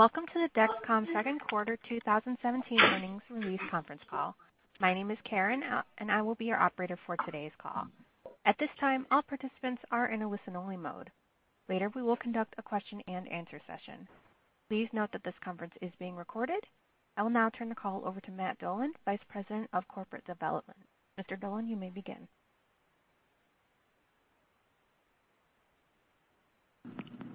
Welcome to the Dexcom Second Quarter 2017 Earnings Release Conference Call. My name is Karen, and I will be your operator for today's call. At this time, all participants are in a listen-only mode. Later, we will conduct a question-and-answer session. Please note that this conference is being recorded. I will now turn the call over to Matthew Dolan, Vice President of Corporate Development. Mr. Dolan, you may begin.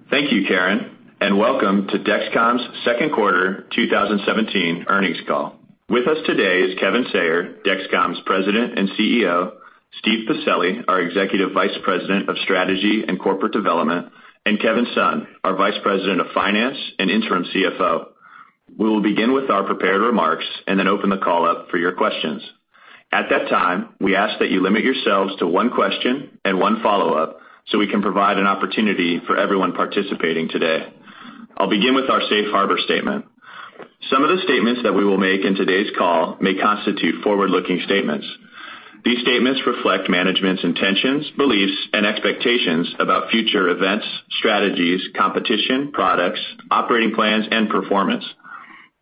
Thank you, Karen, and welcome to Dexcom's Second Quarter 2017 Earnings Call. With us today is Kevin Sayer, Dexcom's President and CEO, Steven Pacelli, our Executive Vice President of Strategy and Corporate Development, and Kevin Sun, our Vice President of Finance and Interim CFO. We will begin with our prepared remarks and then open the call up for your questions. At that time, we ask that you limit yourselves to one question and one follow-up so we can provide an opportunity for everyone participating today. I'll begin with our Safe Harbor Statement. Some of the statements that we will make in today's call may constitute forward-looking statements. These statements reflect management's intentions, beliefs, and expectations about future events, strategies, competition, products, operating plans, and performance.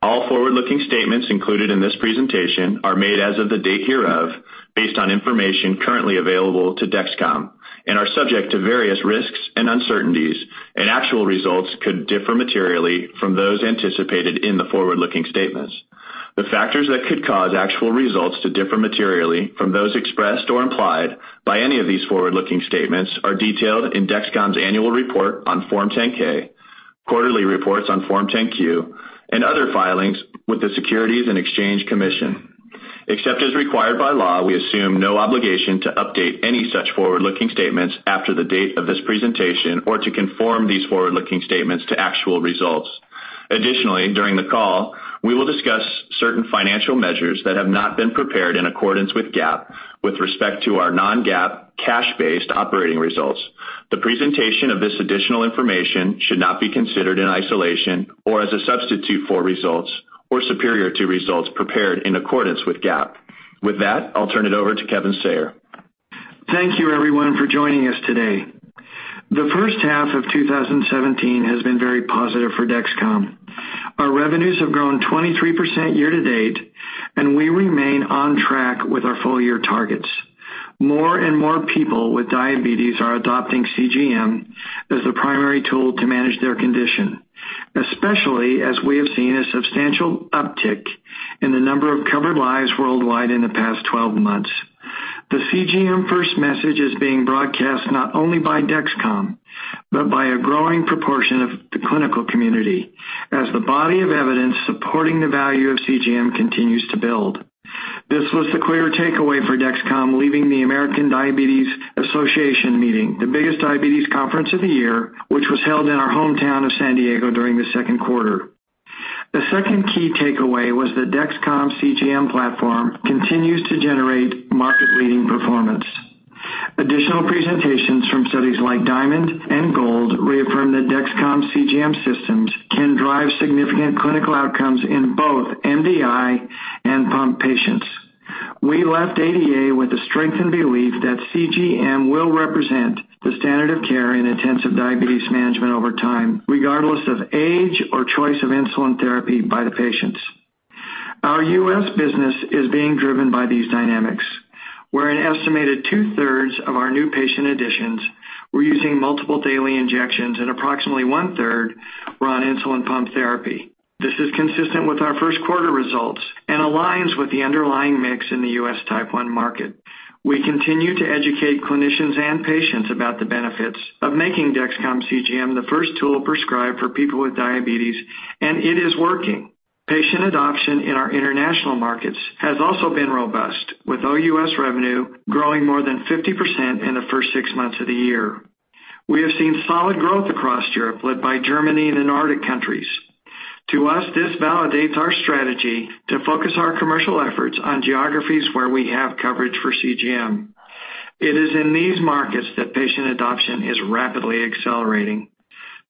All forward-looking statements included in this presentation are made as of the date hereof based on information currently available to Dexcom and are subject to various risks and uncertainties, and actual results could differ materially from those anticipated in the forward-looking statements. The factors that could cause actual results to differ materially from those expressed or implied by any of these forward-looking statements are detailed in Dexcom's annual report on Form 10-K, quarterly reports on Form 10-Q, and other filings with the Securities and Exchange Commission. Except as required by law, we assume no obligation to update any such forward-looking statements after the date of this presentation or to conform these forward-looking statements to actual results. Additionally, during the call, we will discuss certain financial measures that have not been prepared in accordance with GAAP with respect to our non-GAAP cash-based operating results. The presentation of this additional information should not be considered in isolation or as a substitute for results or superior to results prepared in accordance with GAAP. With that, I'll turn it over to Kevin Sayer. Thank you, everyone, for joining us today. The first half of 2017 has been very positive for Dexcom. Our revenues have grown 23% year-to-date, and we remain on track with our full-year targets. More and more people with diabetes are adopting CGM as the primary tool to manage their condition, especially as we have seen a substantial uptick in the number of covered lives worldwide in the past 12 months. The CGM first message is being broadcast not only by Dexcom, but by a growing proportion of the clinical community as the body of evidence supporting the value of CGM continues to build. This was the clear takeaway for Dexcom, leaving the American Diabetes Association meeting, the biggest diabetes conference of the year, which was held in our hometown of San Diego during the second quarter. The second key takeaway was the Dexcom CGM platform continues to generate market-leading performance. Additional presentations from studies like DIAMOND and GOLD reaffirm that Dexcom CGM systems can drive significant clinical outcomes in both MDI and pump patients. We left ADA with the strengthened belief that CGM will represent the standard of care in intensive diabetes management over time, regardless of age or choice of insulin therapy by the patients. Our U.S. business is being driven by these dynamics, where an estimated 2/3 of our new patient additions were using multiple daily injections and approximately 1/3 were on insulin pump therapy. This is consistent with our first quarter results and aligns with the underlying mix in the U.S. Type 1 market. We continue to educate clinicians and patients about the benefits of making Dexcom CGM the first tool prescribed for people with diabetes, and it is working. Patient adoption in our international markets has also been robust, with OUS revenue growing more than 50% in the first six months of the year. We have seen solid growth across Europe, led by Germany and the Nordic countries. To us, this validates our strategy to focus our commercial efforts on geographies where we have coverage for CGM. It is in these markets that patient adoption is rapidly accelerating.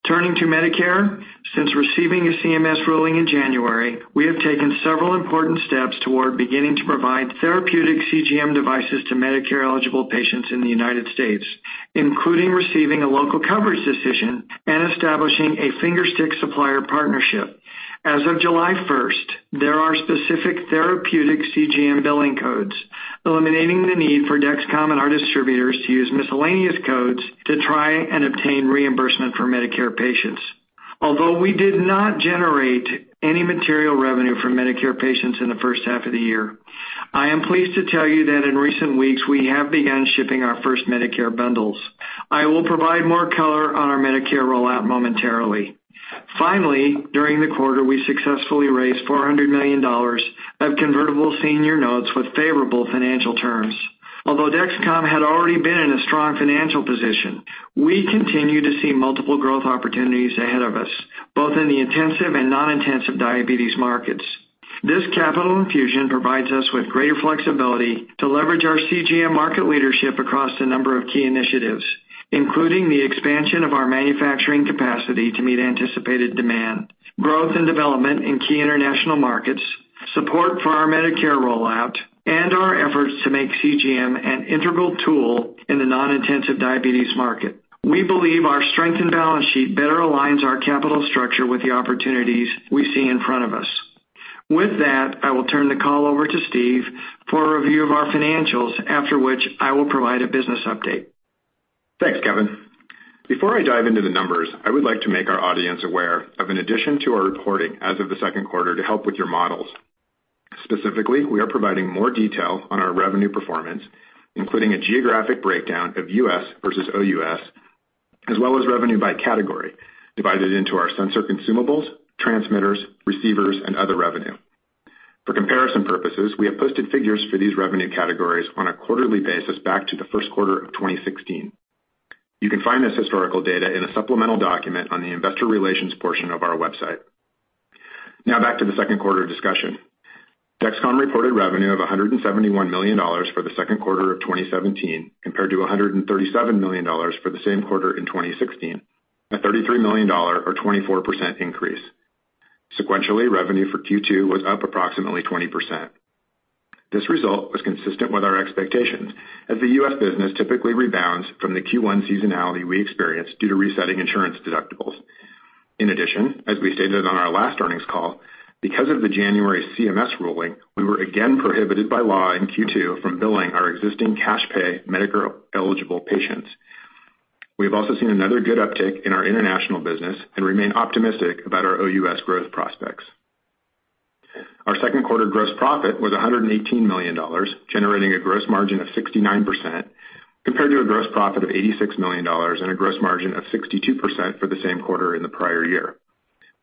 Turning to Medicare, since receiving a CMS ruling in January, we have taken several important steps toward beginning to provide therapeutic CGM devices to Medicare-eligible patients in the United States, including receiving a local coverage decision and establishing a finger stick supplier partnership. As of July 1, there are specific therapeutic CGM billing codes, eliminating the need for Dexcom and our distributors to use miscellaneous codes to try and obtain reimbursement for Medicare patients. Although we did not generate any material revenue from Medicare patients in the first half of the year, I am pleased to tell you that in recent weeks we have begun shipping our first Medicare bundles. I will provide more color on our Medicare rollout momentarily. Finally, during the quarter, we successfully raised $400 million of convertible senior notes with favorable financial terms. Although Dexcom had already been in a strong financial position, we continue to see multiple growth opportunities ahead of us, both in the intensive and non-intensive diabetes markets. This capital infusion provides us with greater flexibility to leverage our CGM market leadership across a number of key initiatives, including the expansion of our manufacturing capacity to meet anticipated demand, growth and development in key international markets, support for our Medicare rollout and our efforts to make CGM an integral tool in the non-intensive diabetes market. We believe our strong balance sheet better aligns our capital structure with the opportunities we see in front of us. With that, I will turn the call over to Steve for a review of our financials, after which I will provide a business update. Thanks, Kevin. Before I dive into the numbers, I would like to make our audience aware of an addition to our reporting as of the second quarter to help with your models. Specifically, we are providing more detail on our revenue performance, including a geographic breakdown of U.S. versus OUS, as well as revenue by category, divided into our sensor consumables, transmitters, receivers, and other revenue. For comparison purposes, we have posted figures for these revenue categories on a quarterly basis back to the first quarter of 2016. You can find this historical data in a supplemental document on the investor relations portion of our website. Now back to the second quarter discussion. Dexcom reported revenue of $171 million for the second quarter of 2017 compared to $137 million for the same quarter in 2016, a $33 million or 24% increase. Sequentially, revenue for Q2 was up approximately 20%. This result was consistent with our expectations as the U.S. business typically rebounds from the Q1 seasonality we experience due to resetting insurance deductibles. In addition, as we stated on our last earnings call, because of the January CMS ruling, we were again prohibited by law in Q2 from billing our existing cash pay Medicare-eligible patients. We have also seen another good uptick in our international business and remain optimistic about our OUS growth prospects. Our second quarter gross profit was $118 million, generating a gross margin of 69% compared to a gross profit of $86 million and a gross margin of 62% for the same quarter in the prior year.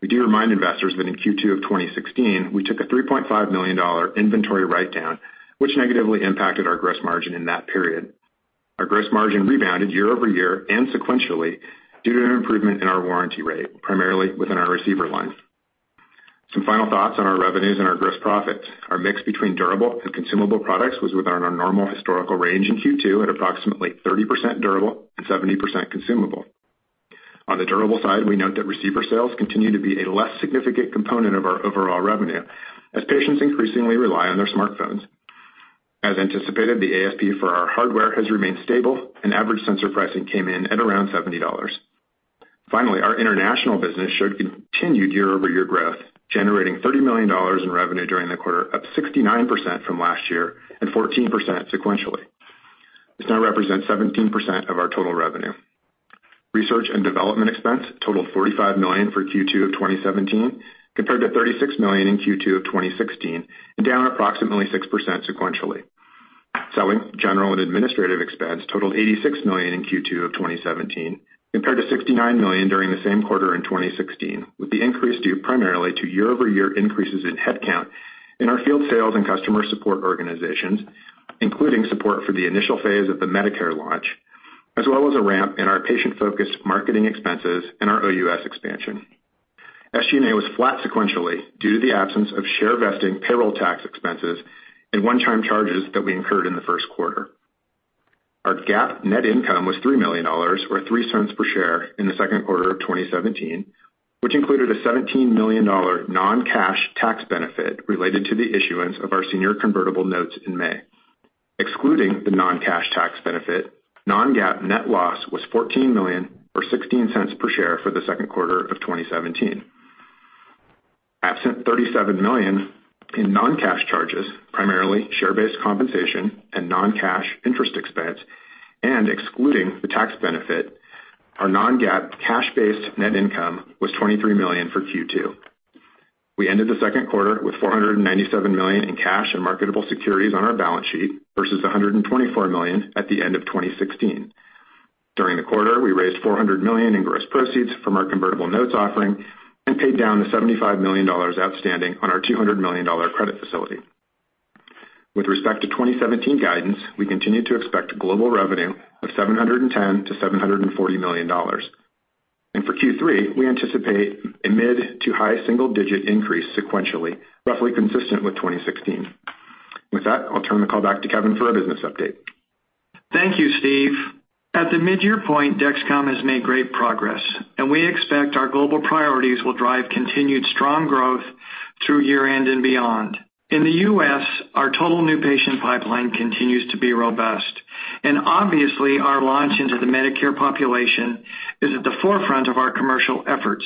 We do remind investors that in Q2 of 2016, we took a $3.5 million inventory write-down, which negatively impacted our gross margin in that period. Our gross margin rebounded year-over-year and sequentially due to an improvement in our warranty rate, primarily within our receiver line. Some final thoughts on our revenues and our gross profits. Our mix between durable and consumable products was within our normal historical range in Q2 at approximately 30% durable and 70% consumable. On the durable side, we note that receiver sales continue to be a less significant component of our overall revenue as patients increasingly rely on their smartphones. As anticipated, the ASP for our hardware has remained stable and average sensor pricing came in at around $70. Finally, our international business showed continued year-over-year growth, generating $30 million in revenue during the quarter, up 69% from last year and 14% sequentially. This now represents 17% of our total revenue. Research and development expense totaled $45 million for Q2 of 2017 compared to $36 million in Q2 of 2016 and down approximately 6% sequentially. Selling, general, and administrative expense totaled $86 million in Q2 of 2017 compared to $69 million during the same quarter in 2016, with the increase due primarily to year-over-year increases in headcount in our field sales and customer support organizations, including support for the initial phase of the Medicare launch, as well as a ramp in our patient-focused marketing expenses and our OUS expansion. SG&A was flat sequentially due to the absence of share vesting payroll tax expenses and one-time charges that we incurred in the first quarter. Our GAAP net income was $3 million, or $0.03 per share in the second quarter of 2017, which included a $17 million non-cash tax benefit related to the issuance of our senior convertible notes in May. Excluding the non-cash tax benefit, non-GAAP net loss was $14 million or $0.16 per share for the second quarter of 2017. Absent $37 million in non-cash charges, primarily share-based compensation and non-cash interest expense, and excluding the tax benefit, our non-GAAP cash-based net income was $23 million for Q2. We ended the second quarter with $497 million in cash and marketable securities on our balance sheet versus $124 million at the end of 2016. During the quarter, we raised $400 million in gross proceeds from our convertible notes offering and paid down the $75 million outstanding on our $200 million credit facility. With respect to 2017 guidance, we continue to expect global revenue of $710 million-$740 million. For Q3, we anticipate a mid to high single-digit increase sequentially, roughly consistent with 2016. With that, I'll turn the call back to Kevin for a business update. Thank you, Steve. At the mid-year point, Dexcom has made great progress, and we expect our global priorities will drive continued strong growth through year-end and beyond. In the U.S., our total new patient pipeline continues to be robust, and obviously, our launch into the Medicare population is at the forefront of our commercial efforts.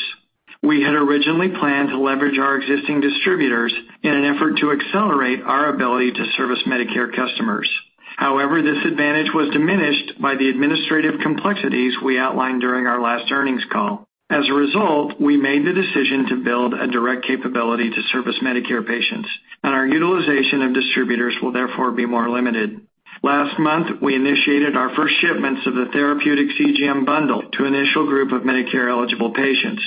We had originally planned to leverage our existing distributors in an effort to accelerate our ability to service Medicare customers. However, this advantage was diminished by the administrative complexities we outlined during our last earnings call. As a result, we made the decision to build a direct capability to service Medicare patients, and our utilization of distributors will therefore be more limited. Last month, we initiated our first shipments of the therapeutic CGM bundle to initial group of Medicare-eligible patients.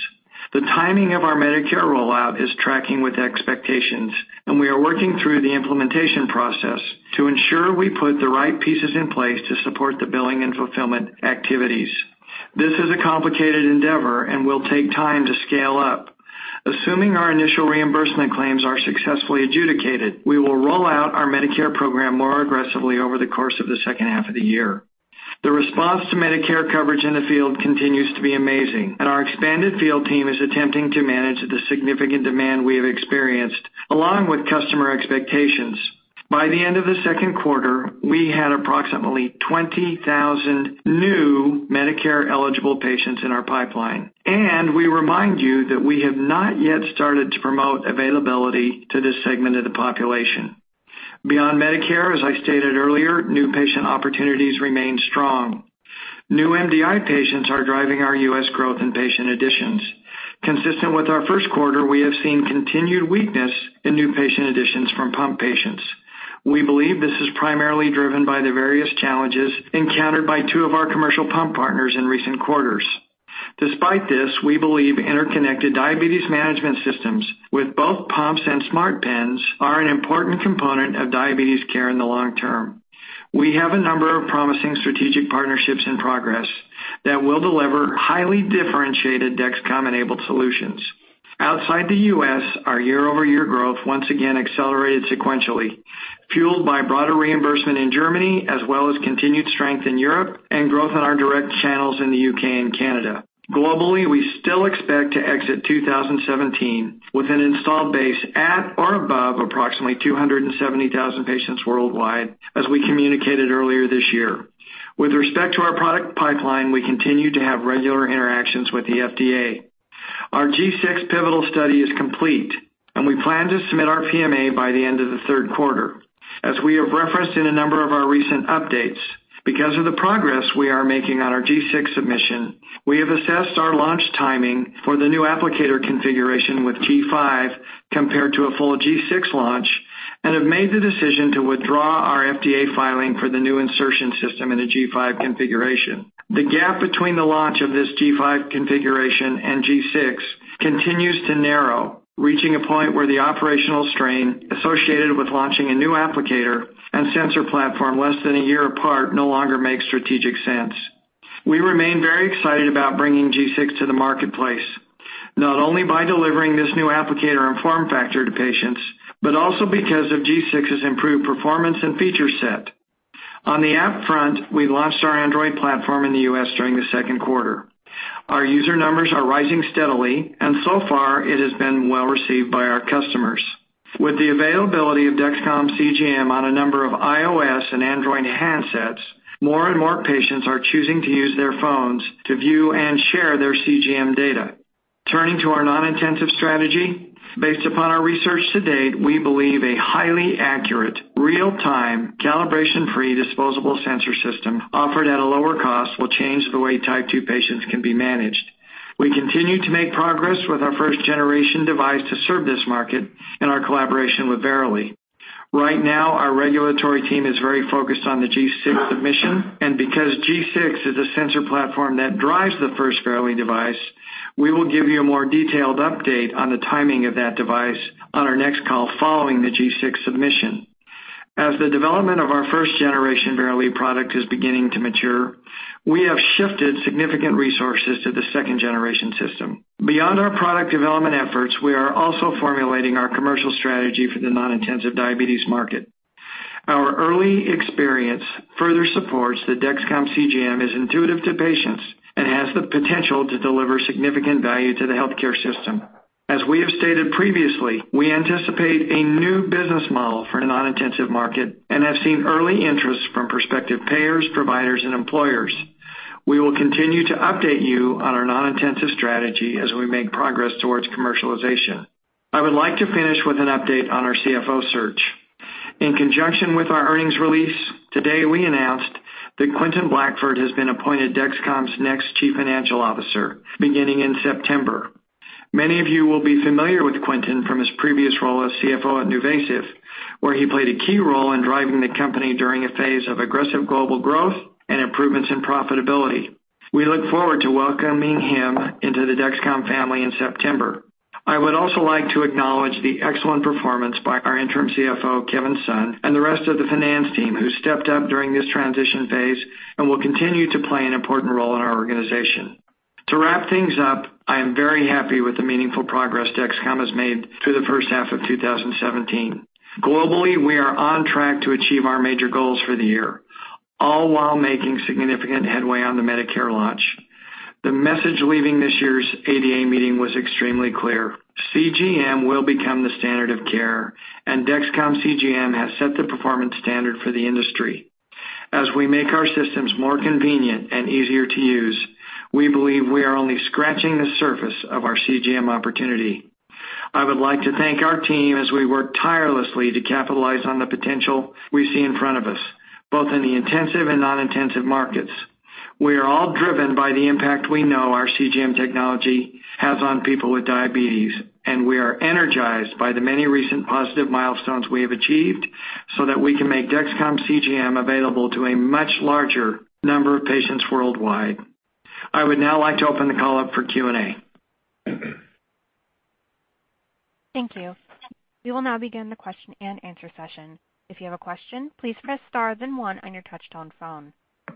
The timing of our Medicare rollout is tracking with expectations, and we are working through the implementation process to ensure we put the right pieces in place to support the billing and fulfillment activities. This is a complicated endeavor and will take time to scale up. Assuming our initial reimbursement claims are successfully adjudicated, we will roll out our Medicare program more aggressively over the course of the second half of the year. The response to Medicare coverage in the field continues to be amazing, and our expanded field team is attempting to manage the significant demand we have experienced along with customer expectations. By the end of the second quarter, we had approximately 20,000 new Medicare-eligible patients in our pipeline, and we remind you that we have not yet started to promote availability to this segment of the population. Beyond Medicare, as I stated earlier, new patient opportunities remain strong. New MDI patients are driving our U.S. growth in patient additions. Consistent with our first quarter, we have seen continued weakness in new patient additions from pump patients. We believe this is primarily driven by the various challenges encountered by two of our commercial pump partners in recent quarters. Despite this, we believe interconnected diabetes management systems with both pumps and smart pens are an important component of diabetes care in the long term. We have a number of promising strategic partnerships in progress that will deliver highly differentiated Dexcom-enabled solutions. Outside the U.S., our year-over-year growth once again accelerated sequentially, fueled by broader reimbursement in Germany, as well as continued strength in Europe and growth in our direct channels in the U.K. and Canada. Globally, we still expect to exit 2017 with an installed base at or above approximately 270,000 patients worldwide, as we communicated earlier this year. With respect to our product pipeline, we continue to have regular interactions with the FDA. Our G6 pivotal study is complete, and we plan to submit our PMA by the end of the third quarter. As we have referenced in a number of our recent updates, because of the progress we are making on our G6 submission, we have assessed our launch timing for the new applicator configuration with G5 compared to a full G6 launch and have made the decision to withdraw our FDA filing for the new insertion system in a G5 configuration. The gap between the launch of this G5 configuration and G6 continues to narrow, reaching a point where the operational strain associated with launching a new applicator and sensor platform less than a year apart no longer makes strategic sense. We remain very excited about bringing G6 to the marketplace, not only by delivering this new applicator and form factor to patients, but also because of G6's improved performance and feature set. On the app front, we launched our Android platform in the U.S. during the second quarter. Our user numbers are rising steadily, and so far it has been well received by our customers. With the availability of Dexcom CGM on a number of iOS and Android handsets, more and more patients are choosing to use their phones to view and share their CGM data. Turning to our non-intensive strategy, based upon our research to date, we believe a highly accurate, real-time, calibration-free disposable sensor system offered at a lower cost will change the way Type 2 patients can be managed. We continue to make progress with our first-generation device to serve this market and our collaboration with Verily. Right now, our regulatory team is very focused on the G6 submission, and because G6 is a sensor platform that drives the first Verily device, we will give you a more detailed update on the timing of that device on our next call following the G6 submission. As the development of our first-generation Verily product is beginning to mature, we have shifted significant resources to the second generation system. Beyond our product development efforts, we are also formulating our commercial strategy for the non-intensive diabetes market. Our early experience further supports that Dexcom CGM is intuitive to patients and has the potential to deliver significant value to the healthcare system. As we have stated previously, we anticipate a new business model for the non-intensive market and have seen early interest from prospective payers, providers, and employers. We will continue to update you on our non-intensive strategy as we make progress towards commercialization. I would like to finish with an update on our CFO search. In conjunction with our earnings release, today, we announced that Quentin Blackford has been appointed Dexcom's next Chief Financial Officer beginning in September. Many of you will be familiar with Quentin from his previous role as CFO at NuVasive, where he played a key role in driving the company during a phase of aggressive global growth and improvements in profitability. We look forward to welcoming him into the Dexcom family in September. I would also like to acknowledge the excellent performance by our interim CFO, Kevin Sayer, and the rest of the finance team, who stepped up during this transition phase and will continue to play an important role in our organization. To wrap things up, I am very happy with the meaningful progress Dexcom has made through the first half of 2017. Globally, we are on track to achieve our major goals for the year, all while making significant headway on the Medicare launch. The message leaving this year's ADA meeting was extremely clear. CGM will become the standard of care, and Dexcom CGM has set the performance standard for the industry. As we make our systems more convenient and easier to use, we believe we are only scratching the surface of our CGM opportunity. I would like to thank our team as we work tirelessly to capitalize on the potential we see in front of us, both in the intensive and non-intensive markets. We are all driven by the impact we know our CGM technology has on people with diabetes, and we are energized by the many recent positive milestones we have achieved so that we can make Dexcom CGM available to a much larger number of patients worldwide. I would now like to open the call up for Q&A. Thank you. We will now begin the question-and-answer session. If you have a question, please press star then one on your touch-tone phone.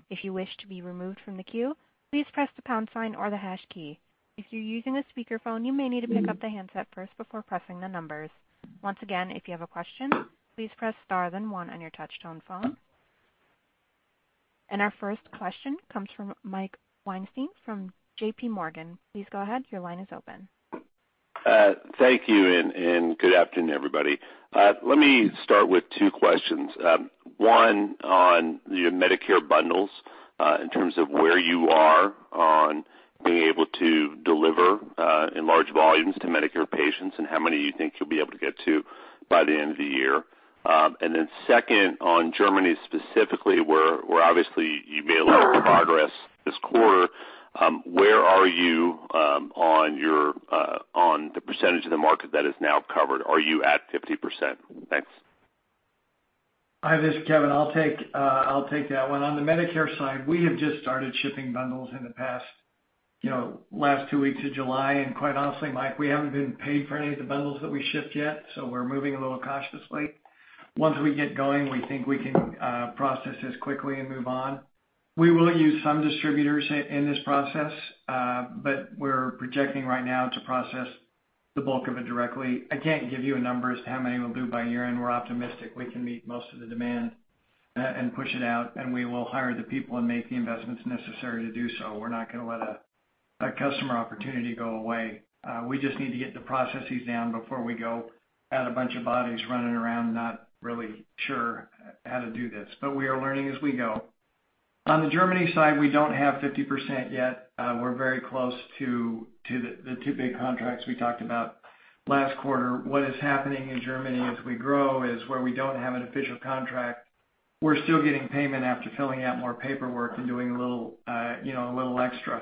If you wish to be removed from the queue, please press the pound sign or the hash key. If you're using a speakerphone, you may need to pick up the handset first before pressing the numbers. Once again, if you have a question, please press star then one on your touch-tone phone. Our first question comes from Mike Weinstein from JPMorgan. Please go ahead. Your line is open. Thank you, and good afternoon, everybody. Let me start with two questions. One on your Medicare bundles, in terms of where you are on being able to deliver, in large volumes to Medicare patients and how many you think you'll be able to get to by the end of the year. Second on Germany specifically, where obviously you made a lot of progress this quarter, where are you on the percentage of the market that is now covered? Are you at 50%? Thanks. Hi, this is Kevin. I'll take that one. On the Medicare side, we have just started shipping bundles in the past, you know, last two weeks of July. Quite honestly, Mike, we haven't been paid for any of the bundles that we shipped yet, so we're moving a little cautiously. Once we get going, we think we can process this quickly and move on. We will use some distributors in this process, but we're projecting right now to process the bulk of it directly. I can't give you a number as to how many we'll do by year-end. We're optimistic we can meet most of the demand, and push it out, and we will hire the people and make the investments necessary to do so. We're not gonna let a customer opportunity go away. We just need to get the processes down before we go add a bunch of bodies running around, not really sure how to do this. We are learning as we go. On the Germany side, we don't have 50% yet. We're very close to the two big contracts we talked about last quarter. What is happening in Germany as we grow is where we don't have an official contract, we're still getting payment after filling out more paperwork and doing a little, you know, a little extra.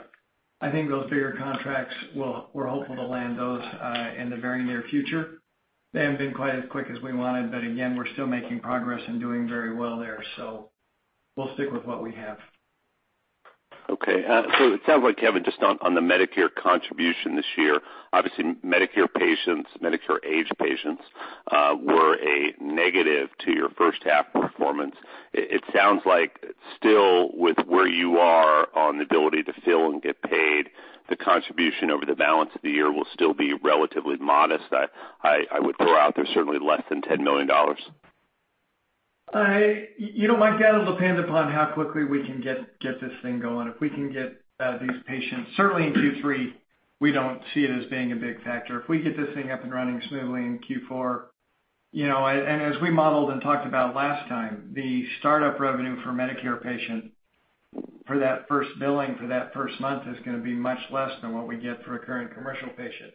I think those bigger contracts will, we're hopeful to land those in the very near future. They haven't been quite as quick as we wanted, but again, we're still making progress and doing very well there. We'll stick with what we have. Okay. It sounds like, Kevin, just on the Medicare contribution this year, obviously Medicare patients, Medicare-aged patients were a negative to your first half performance. It sounds like still with where you are on the ability to fill and get paid, the contribution over the balance of the year will still be relatively modest. I would throw out there certainly less than $10 million. You know, Mike, that'll depend upon how quickly we can get this thing going. If we can get these patients certainly in Q3, we don't see it as being a big factor. If we get this thing up and running smoothly in Q4, you know, and as we modeled and talked about last time, the startup revenue for Medicare patient for that first billing for that first month is gonna be much less than what we get for a current commercial patient.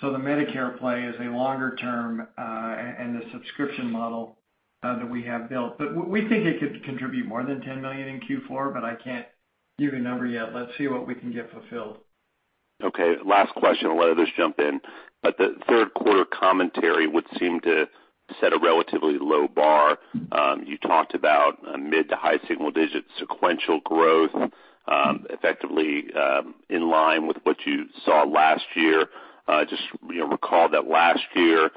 So the Medicare play is a longer term, and the subscription model that we have built. We think it could contribute more than $10 million in Q4, but I can't give you a number yet. Let's see what we can get fulfilled. Okay. Last question, I'll let others jump in. The third quarter commentary would seem to set a relatively low bar. You talked about a mid- to high-single-digit sequential growth, effectively, in line with what you saw last year. Just, you know, recall that last year,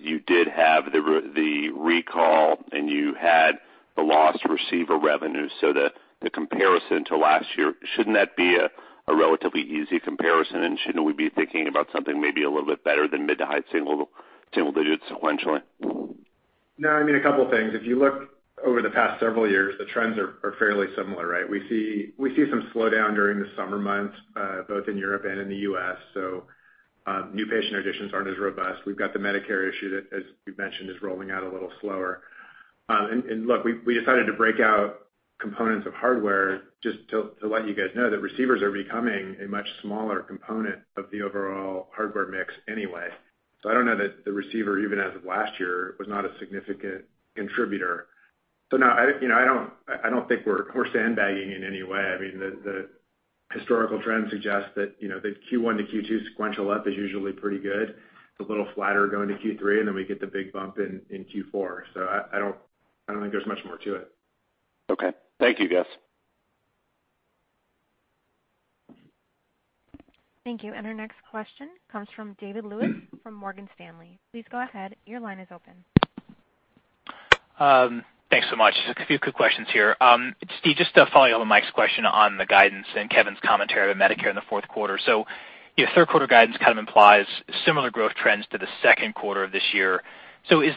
you did have the recall and you had the lost receiver revenue. The comparison to last year, shouldn't that be a relatively easy comparison? Shouldn't we be thinking about something maybe a little bit better than mid- to high-single-digit sequentially? No, I mean, a couple of things. If you look over the past several years, the trends are fairly similar, right? We see some slowdown during the summer months, both in Europe and in the U.S. New patient additions aren't as robust. We've got the Medicare issue that, as you mentioned, is rolling out a little slower. Look, we decided to break out components of hardware just to let you guys know that receivers are becoming a much smaller component of the overall hardware mix anyway. I don't know that the receiver, even as of last year, was not a significant contributor. No, you know, I don't think we're sandbagging in any way. I mean, the historical trends suggest that, you know, the Q1 to Q2 sequential up is usually pretty good. It's a little flatter going to Q3, and then we get the big bump in Q4. I don't think there's much more to it. Okay. Thank you, guys. Thank you. Our next question comes from David Lewis from Morgan Stanley. Please go ahead. Your line is open. Thanks so much. Just a few quick questions here. Steve, just to follow-up on Mike's question on the guidance and Kevin's commentary on Medicare in the fourth quarter. Your third quarter guidance kind of implies similar growth trends to the second quarter of this year. Are you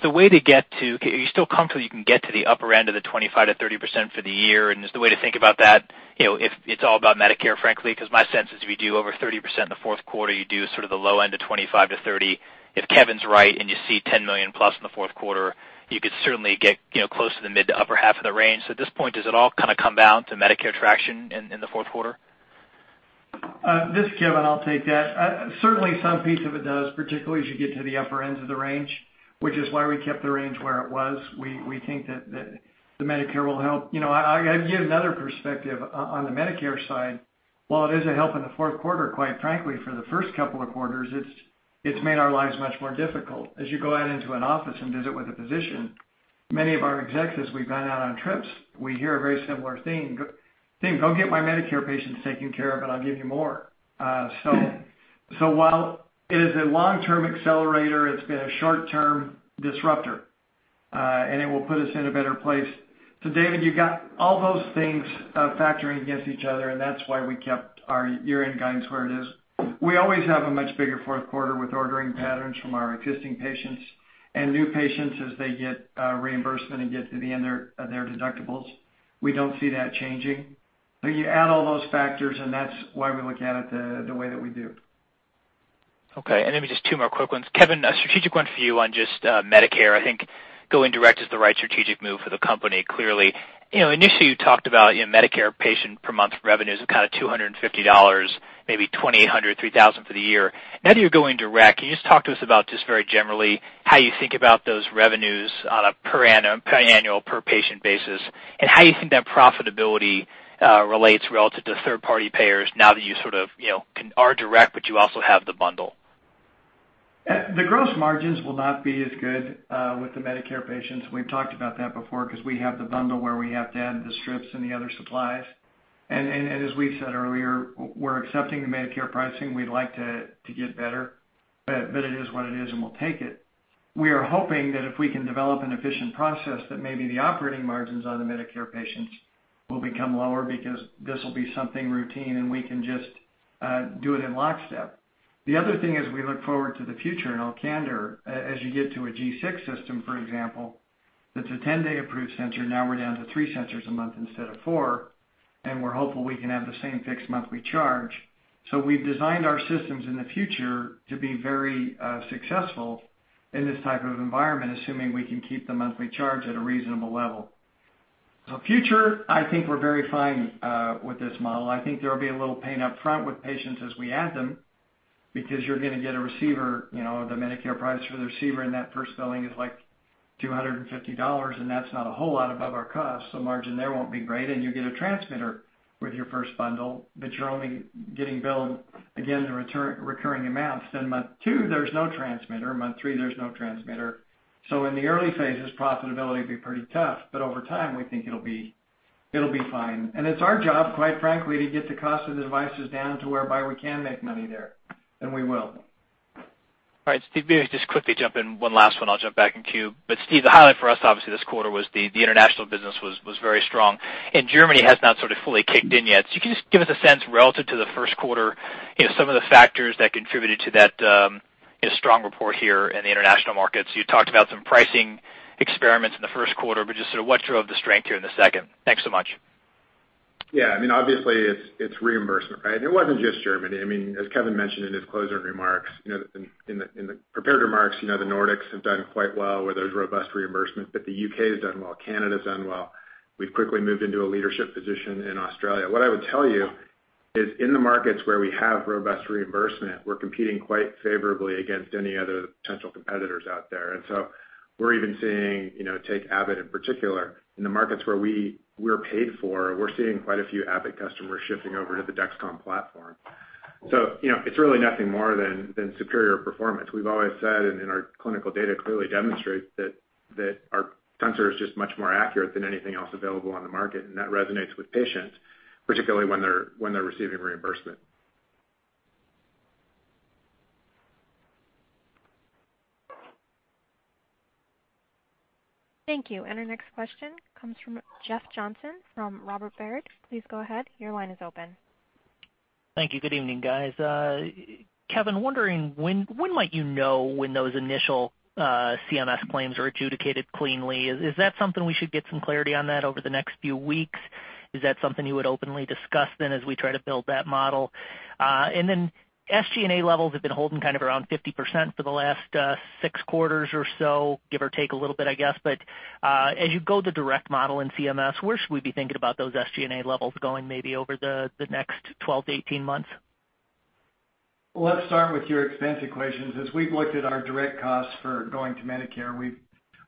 still comfortable you can get to the upper end of the 25%-30% for the year? Is the way to think about that, you know, if it's all about Medicare, frankly? Because my sense is if you do over 30% in the fourth quarter, you do sort of the low end of 25%-30%. If Kevin's right and you see $10 million plus in the fourth quarter, you could certainly get, you know, close to the mid to upper half of the range. At this point, does it all kinda come down to Medicare traction in the fourth quarter? This is Kevin, I'll take that. Certainly some piece of it does, particularly as you get to the upper ends of the range, which is why we kept the range where it was. We think that the Medicare will help. You know, I'd give another perspective on the Medicare side. While it is a help in the fourth quarter, quite frankly, for the first couple of quarters, it's made our lives much more difficult. As you go out into an office and visit with a physician, many of our execs, as we've gone out on trips, we hear a very similar theme. "Go get my Medicare patients taken care of, and I'll give you more." While it is a long-term accelerator, it's been a short-term disruptor, and it will put us in a better place. David, you got all those things factoring against each other, and that's why we kept our year-end guidance where it is. We always have a much bigger fourth quarter with ordering patterns from our existing patients and new patients as they get reimbursement and get to the end of their deductibles. We don't see that changing. When you add all those factors, and that's why we look at it the way that we do. Okay. Then just two more quick ones. Kevin, a strategic one for you on just Medicare. I think going direct is the right strategic move for the company clearly. You know, initially, you talked about, you know, Medicare patient per month revenues of kind of $250, maybe $2,800, $3,000 for the year. Now that you're going direct, can you just talk to us about just very generally how you think about those revenues on a per annum, per annual, per patient basis, and how you think that profitability relates relative to third-party payers now that you sort of, you know, are direct, but you also have the bundle? The gross margins will not be as good with the Medicare patients. We've talked about that before, because we have the bundle where we have to add the strips and the other supplies. We're accepting the Medicare pricing. We'd like to get better. It is what it is, and we'll take it. We are hoping that if we can develop an efficient process, that maybe the operating margins on the Medicare patients will become lower because this will be something routine, and we can just do it in lockstep. The other thing is we look forward to the future in all candor. As you get to a G6 system, for example, that's a 10-day approved sensor. Now we're down to three sensors a month instead of four, and we're hopeful we can have the same fixed monthly charge. We've designed our systems in the future to be very successful in this type of environment, assuming we can keep the monthly charge at a reasonable level. The future, I think we're very fine with this model. I think there'll be a little pain up front with patients as we add them because you're gonna get a receiver. You know, the Medicare price for the receiver in that first billing is, like, $250, and that's not a whole lot above our cost. Margin there won't be great. You'll get a transmitter with your first bundle, but you're only getting billed, again, the return, recurring amounts. Month two, there's no transmitter. Month three, there's no transmitter. In the early phases, profitability will be pretty tough. Over time, we think it'll be, it'll be fine. It's our job, quite frankly, to get the cost of the devices down to whereby we can make money there, and we will. All right. Steve, maybe I just quickly jump in one last one. I'll jump back in queue. Steve, the highlight for us obviously this quarter was the international business was very strong. Germany has not sort of fully kicked in yet. Can you just give us a sense relative to the first quarter, you know, some of the factors that contributed to that, you know, strong report here in the international markets? You talked about some pricing experiments in the first quarter, but just sort of what drove the strength here in the second? Thanks so much. Yeah. I mean, obviously it's reimbursement, right? It wasn't just Germany. I mean, as Kevin mentioned in his closing remarks, you know, in the prepared remarks, you know, the Nordics have done quite well where there's robust reimbursement. The U.K. has done well. Canada's done well. We've quickly moved into a leadership position in Australia. What I would tell you is in the markets where we have robust reimbursement, we're competing quite favorably against any other potential competitors out there. We're even seeing, you know, take Abbott in particular. In the markets where we're paid for, we're seeing quite a few Abbott customers shifting over to the Dexcom platform. You know, it's really nothing more than superior performance. We've always said, and our clinical data clearly demonstrates that our sensor is just much more accurate than anything else available on the market, and that resonates with patients, particularly when they're receiving reimbursement. Thank you. Our next question comes from Jeff Johnson from Robert W. Baird. Please go ahead. Your line is open. Thank you. Good evening, guys. Kevin, wondering when might you know when those initial CMS claims are adjudicated cleanly? Is that something we should get some clarity on that over the next few weeks? Is that something you would openly discuss then as we try to build that model? And then SG&A levels have been holding kind of around 50% for the last 6 quarters or so, give or take a little bit, I guess. As you go the direct model in CMS, where should we be thinking about those SG&A levels going maybe over the next 12-18 months? Let's start with your expense equations. As we've looked at our direct costs for going to Medicare,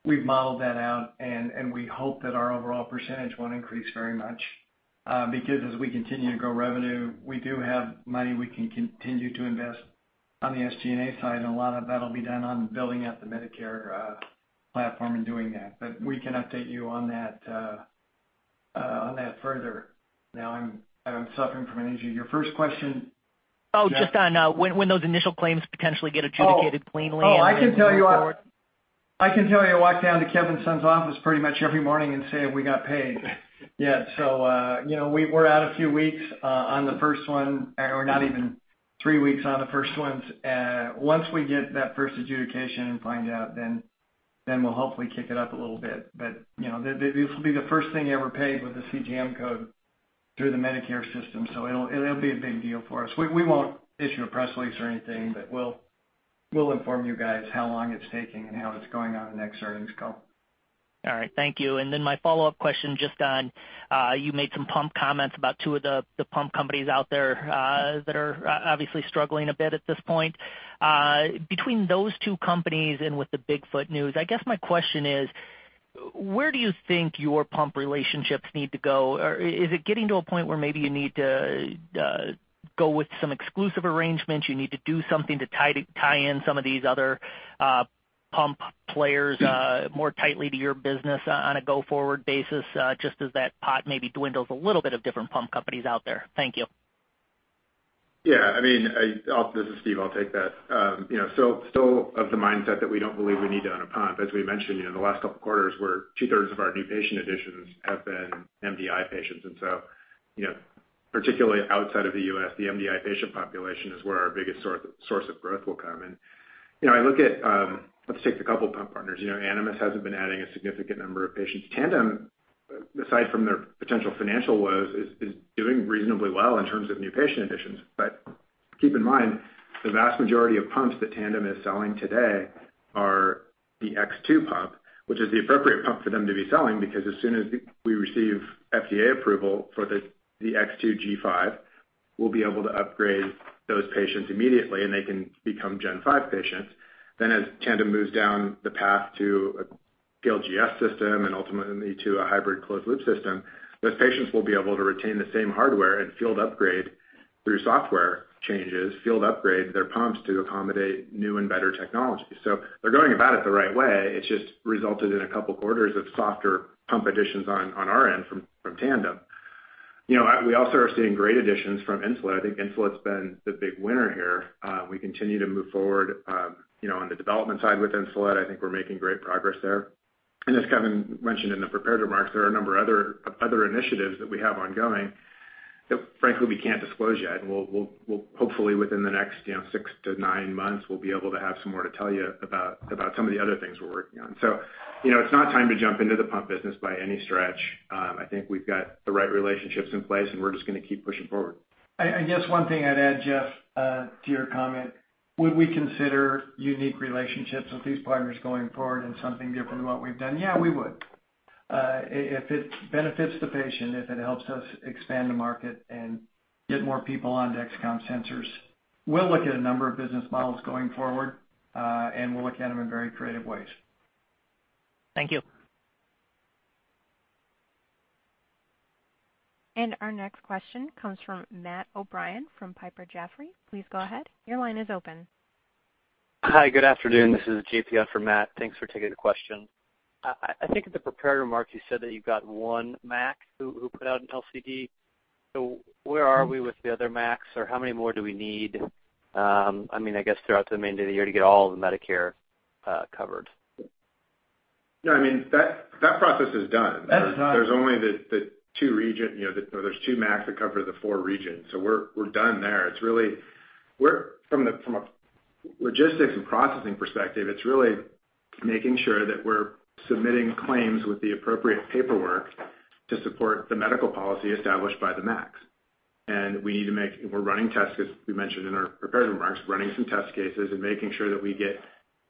we've modeled that out, and we hope that our overall percentage won't increase very much. Because as we continue to grow revenue, we do have money we can continue to invest on the SG&A side, and a lot of that'll be done on building out the Medicare platform and doing that. But we can update you on that further. Now I'm suffering from amnesia. Your first question, Jeff? Oh, just on, when those initial claims potentially get adjudicated cleanly and then going forward. Oh. Oh, I can tell you I walk down to Kevin Sun's office pretty much every morning and say, "We got paid yet?" You know, we're out a few weeks on the first one, or not even 3 weeks on the first ones. Once we get that first adjudication and find out, then we'll hopefully kick it up a little bit. You know, this will be the first thing ever paid with a CGM code through the Medicare system, so it'll be a big deal for us. We won't issue a press release or anything, but we'll inform you guys how long it's taking and how it's going on the next earnings call. All right. Thank you. My follow-up question just on, you made some pump comments about two of the pump companies out there that are obviously struggling a bit at this point. Between those two companies and with the Bigfoot news, I guess my question is: Where do you think your pump relationships need to go? Or is it getting to a point where maybe you need to go with some exclusive arrangements, you need to do something to tie in some of these other pump players more tightly to your business on a go-forward basis, just as that pot maybe dwindles a little bit of different pump companies out there? Thank you. Yeah. I mean, this is Steve. I'll take that. You know, still of the mindset that we don't believe we need to own a pump. As we mentioned, you know, in the last couple of quarters, we're two-thirds of our new patient additions have been MDI patients. You know. Particularly outside of the U.S., the MDI patient population is where our biggest source of growth will come. You know, I look at, let's take the couple pump partners. You know, Animas hasn't been adding a significant number of patients. Tandem, aside from their potential financial woes, is doing reasonably well in terms of new patient additions. Keep in mind, the vast majority of pumps that Tandem is selling today are the X2 pump, which is the appropriate pump for them to be selling because as soon as we receive FDA approval for the X2 G5, we'll be able to upgrade those patients immediately, and they can become Gen 5 patients. Then as Tandem moves down the path to a scaled G6 system and ultimately to a hybrid closed loop system, those patients will be able to retain the same hardware and field upgrade their pumps through software changes to accommodate new and better technology. They're going about it the right way. It's just resulted in a couple quarters of softer pump additions on our end from Tandem. You know, we also are seeing great additions from Insulet. I think Insulet's been the big winner here. We continue to move forward, you know, on the development side with Insulet. I think we're making great progress there. As Kevin mentioned in the prepared remarks, there are a number of other initiatives that we have ongoing that frankly, we can't disclose yet. We'll hopefully within the next, you know, 6-9 months, we'll be able to have some more to tell you about some of the other things we're working on. You know, it's not time to jump into the pump business by any stretch. I think we've got the right relationships in place, and we're just gonna keep pushing forward. I guess one thing I'd add, Jeff, to your comment, would we consider unique relationships with these partners going forward and something different than what we've done? Yeah, we would. If it benefits the patient, if it helps us expand the market and get more people onto Dexcom sensors, we'll look at a number of business models going forward, and we'll look at them in very creative ways. Thank you. Our next question comes from Matt O'Brien from Piper Jaffray. Please go ahead. Your line is open. Hi. Good afternoon. This is J.P. for Matt. Thanks for taking the question. I think in the prepared remarks, you said that you've got one MAC who put out an LCD. Where are we with the other MACs or how many more do we need, I mean, I guess throughout the remainder of the year to get all of the Medicare covered? No, I mean, that process is done. That's done. There's only the two regions, you know. There's two MACs that cover the four regions. We're done there. It's really from a logistics and processing perspective, making sure that we're submitting claims with the appropriate paperwork to support the medical policy established by the MACs. We're running test cases, we mentioned in our prepared remarks, running some test cases and making sure that we get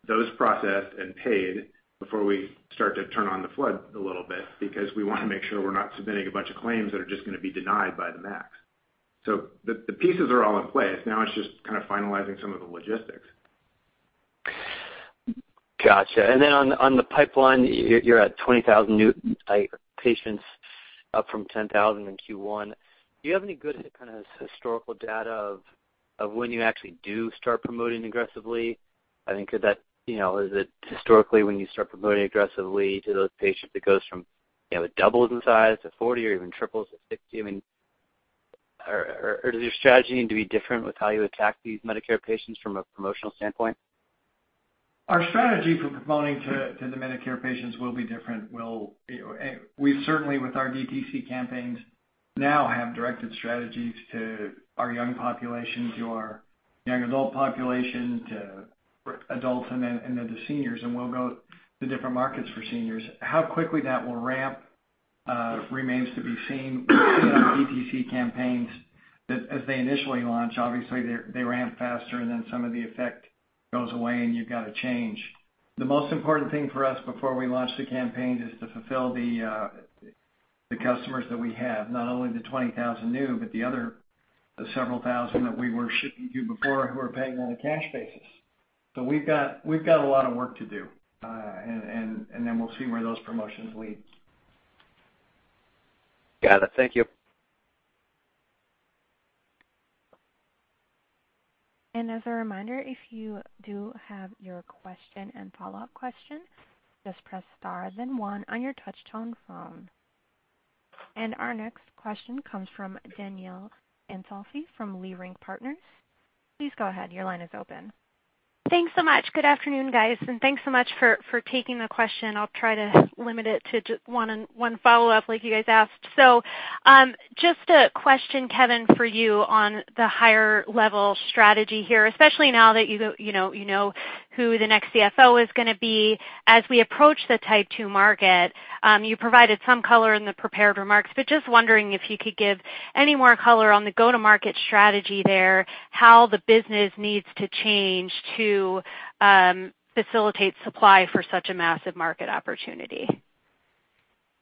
those processed and paid before we start to turn on the flood a little bit because we want to make sure we're not submitting a bunch of claims that are just gonna be denied by the MACs. The pieces are all in place. Now it's just kind of finalizing some of the logistics. Gotcha. On the pipeline, you're at 20,000 new patients up from 10,000 in Q1. Do you have any good kind of historical data of when you actually do start promoting aggressively? I think that, you know, is it historically when you start promoting aggressively to those patients, it goes from, you know, it doubles in size to 40 or even triples to 60, I mean. Does your strategy need to be different with how you attack these Medicare patients from a promotional standpoint? Our strategy for promoting to the Medicare patients will be different. We'll, we've certainly with our DTC campaigns now have directed strategies to our young population, to our young adult population, to adults and then to seniors. We'll go to different markets for seniors. How quickly that will ramp remains to be seen. In our DTC campaigns, as they initially launch, obviously they ramp faster and then some of the effect goes away and you've got to change. The most important thing for us before we launch the campaigns is to fulfill the customers that we have, not only the 20,000 new, but the other several thousand that we were shipping to before who are paying on a cash basis. We've got a lot of work to do, and then we'll see where those promotions lead. Got it. Thank you. As a reminder, if you do have your question and follow-up question, just press star, then one on your touch-tone phone. Our next question comes from Danielle Antalffy from Leerink Partners. Please go ahead. Your line is open. Thanks so much. Good afternoon, guys, and thanks so much for taking the question. I'll try to limit it to one and one follow-up like you guys asked. Just a question, Kevin, for you on the higher level strategy here, especially now that you know who the next CFO is gonna be. As we approach the Type 2 market, you provided some color in the prepared remarks, but just wondering if you could give any more color on the go-to-market strategy there, how the business needs to change to facilitate supply for such a massive market opportunity.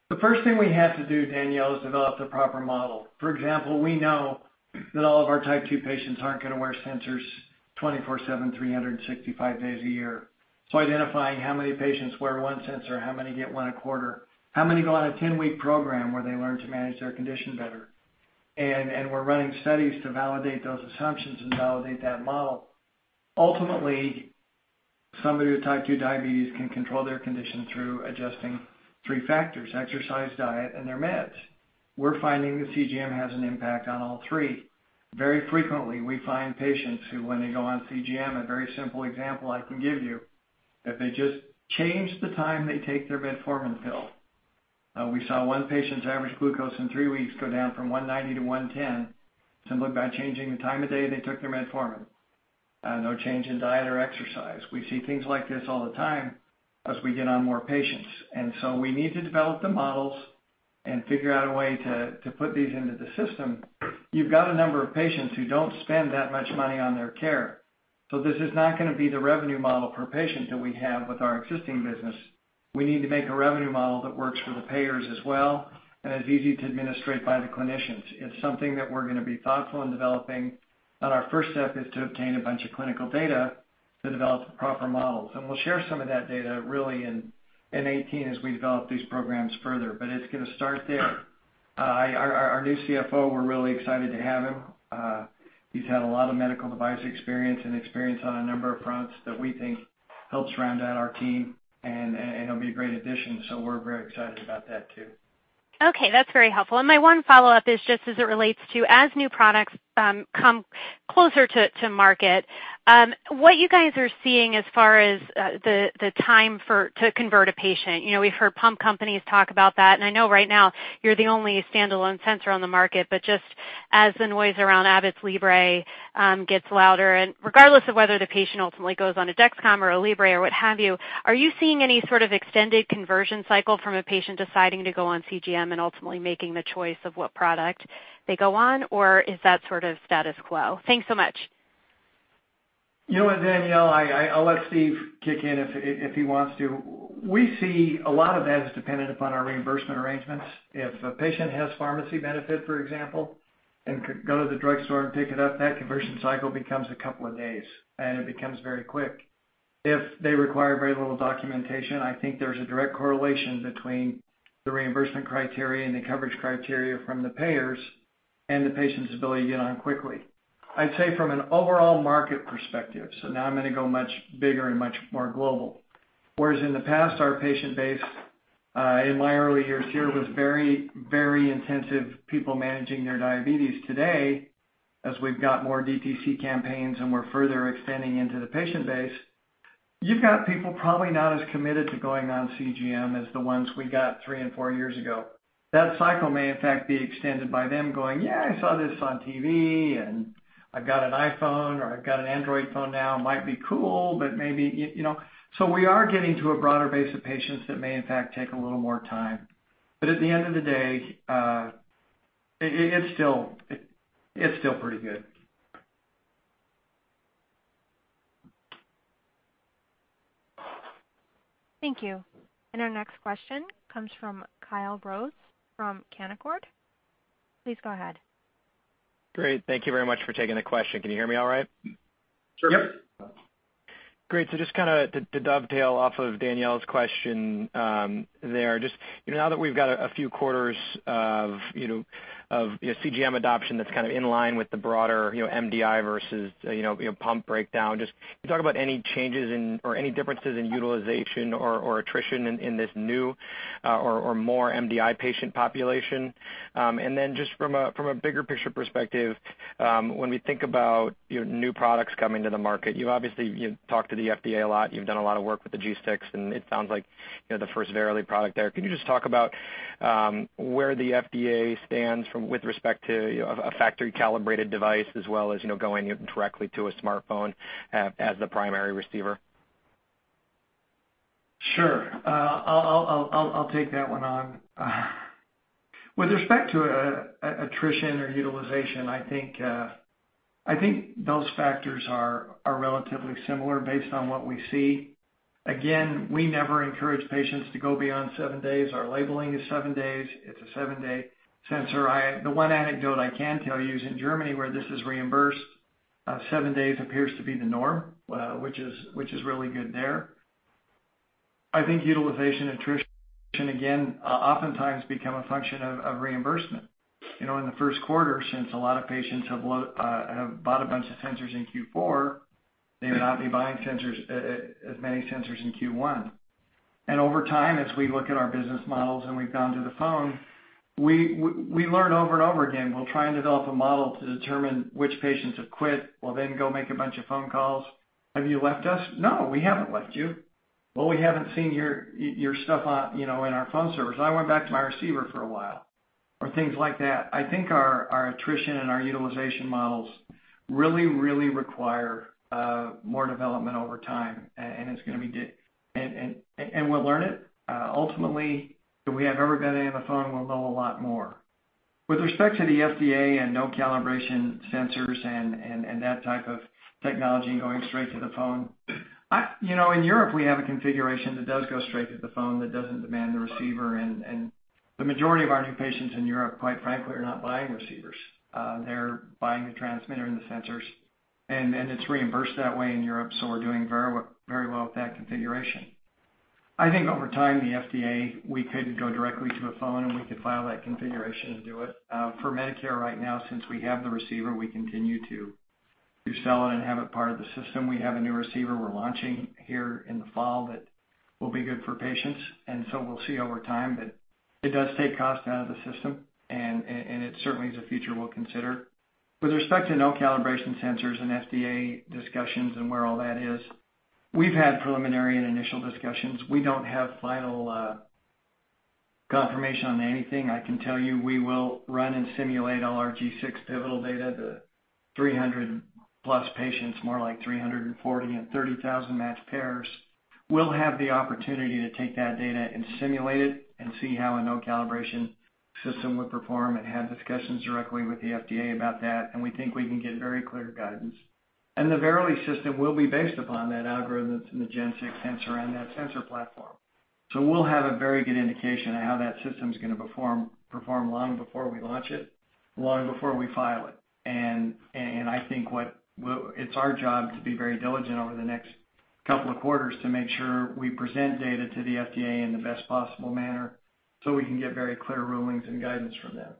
The first thing we have to do, Danielle, is develop the proper model. For example, we know that all of our Type 2 patients aren't gonna wear sensors 24/seven, 365 days a year. Identifying how many patients wear one sensor, how many get one a quarter, how many go on a 10-week program where they learn to manage their condition better. We're running studies to validate those assumptions and validate that model. Ultimately, somebody with Type 2 diabetes can control their condition through adjusting three factors, exercise, diet, and their meds. We're finding the CGM has an impact on all three. Very frequently, we find patients who when they go on CGM, a very simple example I can give you. If they just change the time they take their metformin pill. We saw one patient's average glucose in three weeks go down from 190 to 110 simply by changing the time of day they took their metformin. No change in diet or exercise. We see things like this all the time as we get on more patients. We need to develop the models and figure out a way to put these into the system. You've got a number of patients who don't spend that much money on their care. This is not gonna be the revenue model per patient that we have with our existing business. We need to make a revenue model that works for the payers as well, and is easy to administrate by the clinicians. It's something that we're gonna be thoughtful in developing, and our first step is to obtain a bunch of clinical data to develop the proper models. We'll share some of that data really in 2018 as we develop these programs further. It's gonna start there. Our new CFO, we're really excited to have him. He's had a lot of medical device experience and experience on a number of fronts that we think helps round out our team and he'll be a great addition, so we're very excited about that too. Okay, that's very helpful. My one follow-up is just as it relates to as new products come closer to market, what you guys are seeing as far as the time to convert a patient. You know, we've heard pump companies talk about that, and I know right now you're the only standalone sensor on the market, but just as the noise around Abbott's Libre gets louder, and regardless of whether the patient ultimately goes on a Dexcom or a Libre or what have you, are you seeing any sort of extended conversion cycle from a patient deciding to go on CGM and ultimately making the choice of what product they go on, or is that sort of status quo? Thanks so much. You know what, Danielle, I'll let Steve kick in if he wants to. We see a lot of that as dependent upon our reimbursement arrangements. If a patient has pharmacy benefit, for example, and could go to the drugstore and pick it up, that conversion cycle becomes a couple of days, and it becomes very quick. If they require very little documentation, I think there's a direct correlation between the reimbursement criteria and the coverage criteria from the payers and the patient's ability to get on quickly. I'd say from an overall market perspective, so now I'm gonna go much bigger and much more global, whereas in the past, our patient base in my early years here was very, very intensive, people managing their diabetes today as we've got more DTC campaigns and we're further extending into the patient base. You've got people probably not as committed to going on CGM as the ones we got three and four years ago. That cycle may in fact be extended by them going, "Yeah, I saw this on TV, and I've got an iPhone, or I've got an Android phone now. It might be cool, but maybe," you know. We are getting to a broader base of patients that may in fact take a little more time. At the end of the day, it's still pretty good. Thank you. Our next question comes from Kyle Rose from Canaccord. Please go ahead. Great. Thank you very much for taking the question. Can you hear me all right? Sure. Yep. Great. Just kinda to dovetail off of Danielle's question, there. Just, you know, now that we've got a few quarters of CGM adoption that's kind of in line with the broader, you know, MDI versus, you know, pump breakdown, just can you talk about any changes in or any differences in utilization or attrition in this new or more MDI patient population? Just from a bigger picture perspective, when we think about, you know, new products coming to the market, you obviously talk to the FDA a lot, you've done a lot of work with the G6, and it sounds like, you know, the first Verily product there. Can you just talk about where the FDA stands on with respect to, you know, a factory-calibrated device as well as, you know, going directly to a smartphone as the primary receiver? Sure. I'll take that one on. With respect to attrition or utilization, I think those factors are relatively similar based on what we see. Again, we never encourage patients to go beyond seven days. Our labeling is seven days. It's a seven-day sensor. The one anecdote I can tell you is in Germany where this is reimbursed, seven days appears to be the norm, which is really good there. I think utilization attrition again oftentimes become a function of reimbursement. You know, in the first quarter, since a lot of patients have bought a bunch of sensors in Q4, they may not be buying as many sensors in Q1. Over time, as we look at our business models and we've gone to the phone, we learn over and over again. We'll try and develop a model to determine which patients have quit. We'll then go make a bunch of phone calls. Have you left us? No, we haven't left you. Well, we haven't seen your stuff on, you know, in our phone service. I went back to my receiver for a while, or things like that. I think our attrition and our utilization models really require more development over time. It's gonna be, and we'll learn it. Ultimately, when we have everybody on the phone, we'll know a lot more. With respect to the FDA and no calibration sensors and that type of technology going straight to the phone, you know, in Europe, we have a configuration that does go straight to the phone that doesn't demand the receiver, and the majority of our new patients in Europe, quite frankly, are not buying receivers. They're buying the transmitter and the sensors, and then it's reimbursed that way in Europe, so we're doing very well with that configuration. I think over time, the FDA, we could go directly to a phone, and we could file that configuration and do it. For Medicare right now, since we have the receiver, we continue to sell it and have it part of the system. We have a new receiver we're launching here in the fall that will be good for patients. We'll see over time, but it does take cost out of the system and it certainly is a feature we'll consider. With respect to no calibration sensors and FDA discussions and where all that is, we've had preliminary and initial discussions. We don't have final confirmation on anything. I can tell you we will run and simulate all our G6 pivotal data to 300+ patients, more like 340 and 30,000 matched pairs. We'll have the opportunity to take that data and simulate it and see how a no calibration system would perform and have discussions directly with the FDA about that. We think we can get very clear guidance. The Verily system will be based upon that algorithm that's in the Gen 6 sensor and that sensor platform. We'll have a very good indication of how that system is gonna perform long before we launch it, long before we file it. I think it's our job to be very diligent over the next couple of quarters to make sure we present data to the FDA in the best possible manner so we can get very clear rulings and guidance from them.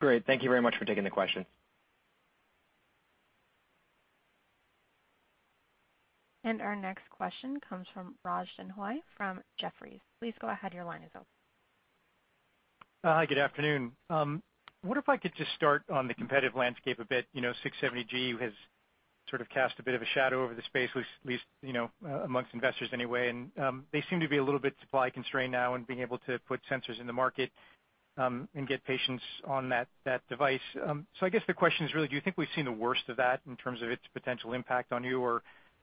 Great. Thank you very much for taking the question. Our next question comes from Raj Denhoy from Jefferies. Please go ahead. Your line is open. Hi, good afternoon. What if I could just start on the competitive landscape a bit? You know, 670G has sort of cast a bit of a shadow over the space, at least, you know, amongst investors anyway. They seem to be a little bit supply constrained now in being able to put sensors in the market, and get patients on that device. So I guess the question is really, do you think we've seen the worst of that in terms of its potential impact on you? Or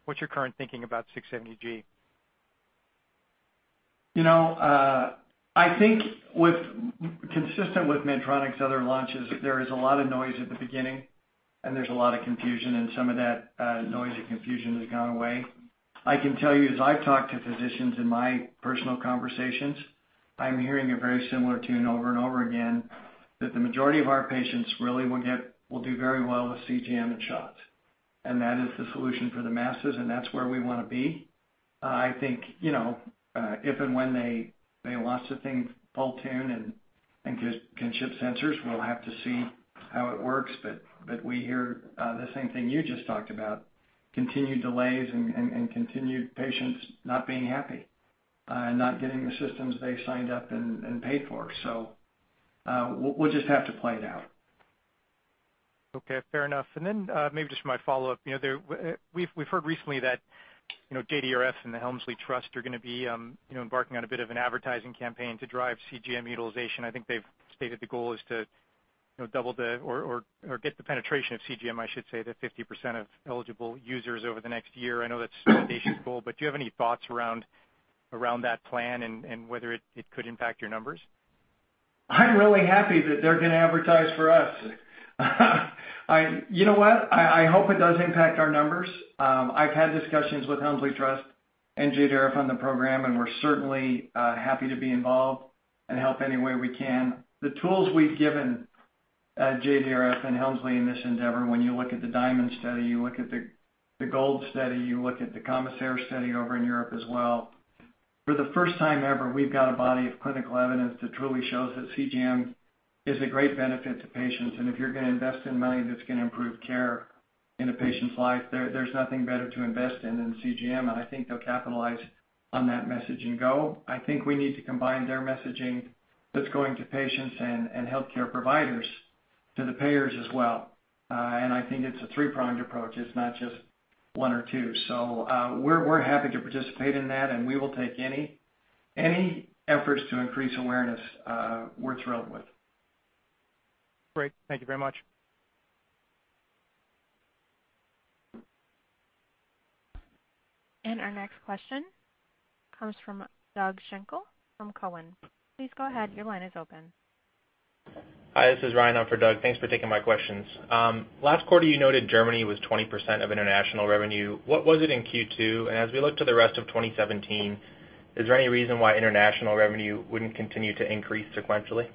what's your current thinking about 670G? You know, I think with consistent with Medtronic's other launches, there is a lot of noise at the beginning, and there's a lot of confusion, and some of that noise and confusion has gone away. I can tell you, as I've talked to physicians in my personal conversations, I'm hearing a very similar tune over and over again that the majority of our patients really will do very well with CGM and shots. That is the solution for the masses, and that's where we wanna be. I think, you know, if and when they launch the thing full tilt and can ship sensors, we'll have to see how it works. We hear the same thing you just talked about, continued delays and continued patients not being happy, and not getting the systems they signed up and paid for. We'll just have to play it out. Okay, fair enough. Maybe just my follow-up. You know, we've heard recently that you know JDRF and the Helmsley Trust are gonna be you know embarking on a bit of an advertising campaign to drive CGM utilization. I think they've stated the goal is to you know get the penetration of CGM, I should say, to 50% of eligible users over the next year. I know that's the foundation's goal, but do you have any thoughts around that plan and whether it could impact your numbers? I'm really happy that they're gonna advertise for us. You know what? I hope it does impact our numbers. I've had discussions with Helmsley Trust and JDRF on the program, and we're certainly happy to be involved and help any way we can. The tools we've given JDRF and Helmsley in this endeavor, when you look at the DIAMOND study, you look at the GOLD study, you look at the COMISAIR study over in Europe as well, for the first time ever, we've got a body of clinical evidence that truly shows that CGM is a great benefit to patients. If you're gonna invest in money that's gonna improve care in a patient's life, there's nothing better to invest in than CGM, and I think they'll capitalize on that message and go. I think we need to combine their messaging that's going to patients and healthcare providers to the payers as well. I think it's a three-pronged approach. It's not just one or two. We're happy to participate in that, and we will take any efforts to increase awareness. We're thrilled with. Great. Thank you very much. Our next question comes from Doug Schenkel from Cowen. Please go ahead. Your line is open. Hi, this is Ryan on for Doug. Thanks for taking my questions. Last quarter, you noted Germany was 20% of international revenue. What was it in Q2? As we look to the rest of 2017, is there any reason why international revenue wouldn't continue to increase sequentially?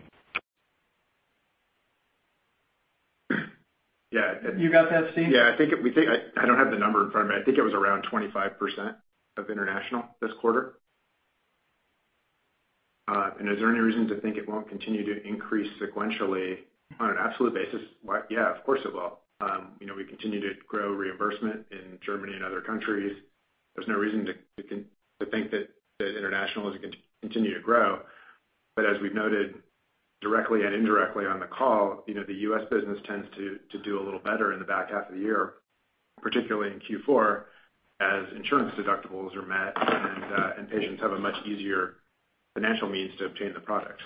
Yeah. You got that, Steve? Yeah, I think I don't have the number in front of me. I think it was around 25% of international this quarter. Is there any reason to think it won't continue to increase sequentially on an absolute basis? Yeah, of course it will. You know, we continue to grow reimbursement in Germany and other countries. There's no reason to think that international isn't continue to grow. As we've noted directly and indirectly on the call, you know, the U.S. business tends to do a little better in the back half of the year, particularly in Q4, as insurance deductibles are met and patients have a much easier financial means to obtain the product.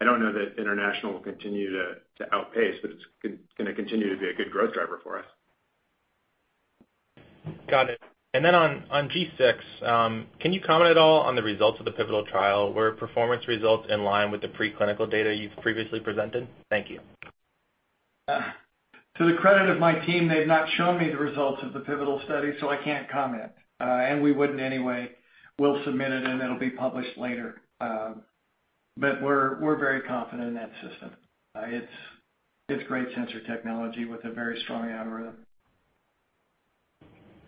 I don't know that international will continue to outpace, but it's gonna continue to be a good growth driver for us. Got it. On G6, can you comment at all on the results of the pivotal trial? Were performance results in line with the preclinical data you've previously presented? Thank you. To the credit of my team, they've not shown me the results of the pivotal study, so I can't comment. We wouldn't anyway. We'll submit it, and it'll be published later. We're very confident in that system. It's great sensor technology with a very strong algorithm.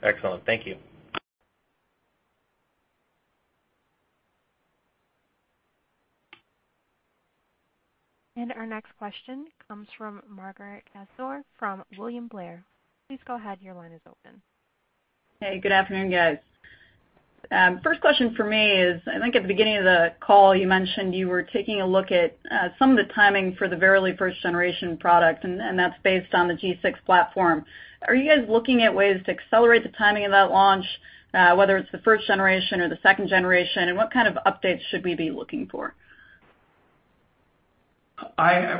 Excellent. Thank you. Our next question comes from Margaret Kaczor from William Blair. Please go ahead. Your line is open. Hey, good afternoon, guys. First question for me is, I think at the beginning of the call, you mentioned you were taking a look at some of the timing for the Verily first generation product, and that's based on the G6 platform. Are you guys looking at ways to accelerate the timing of that launch, whether it's the first generation or the second generation? What kind of updates should we be looking for?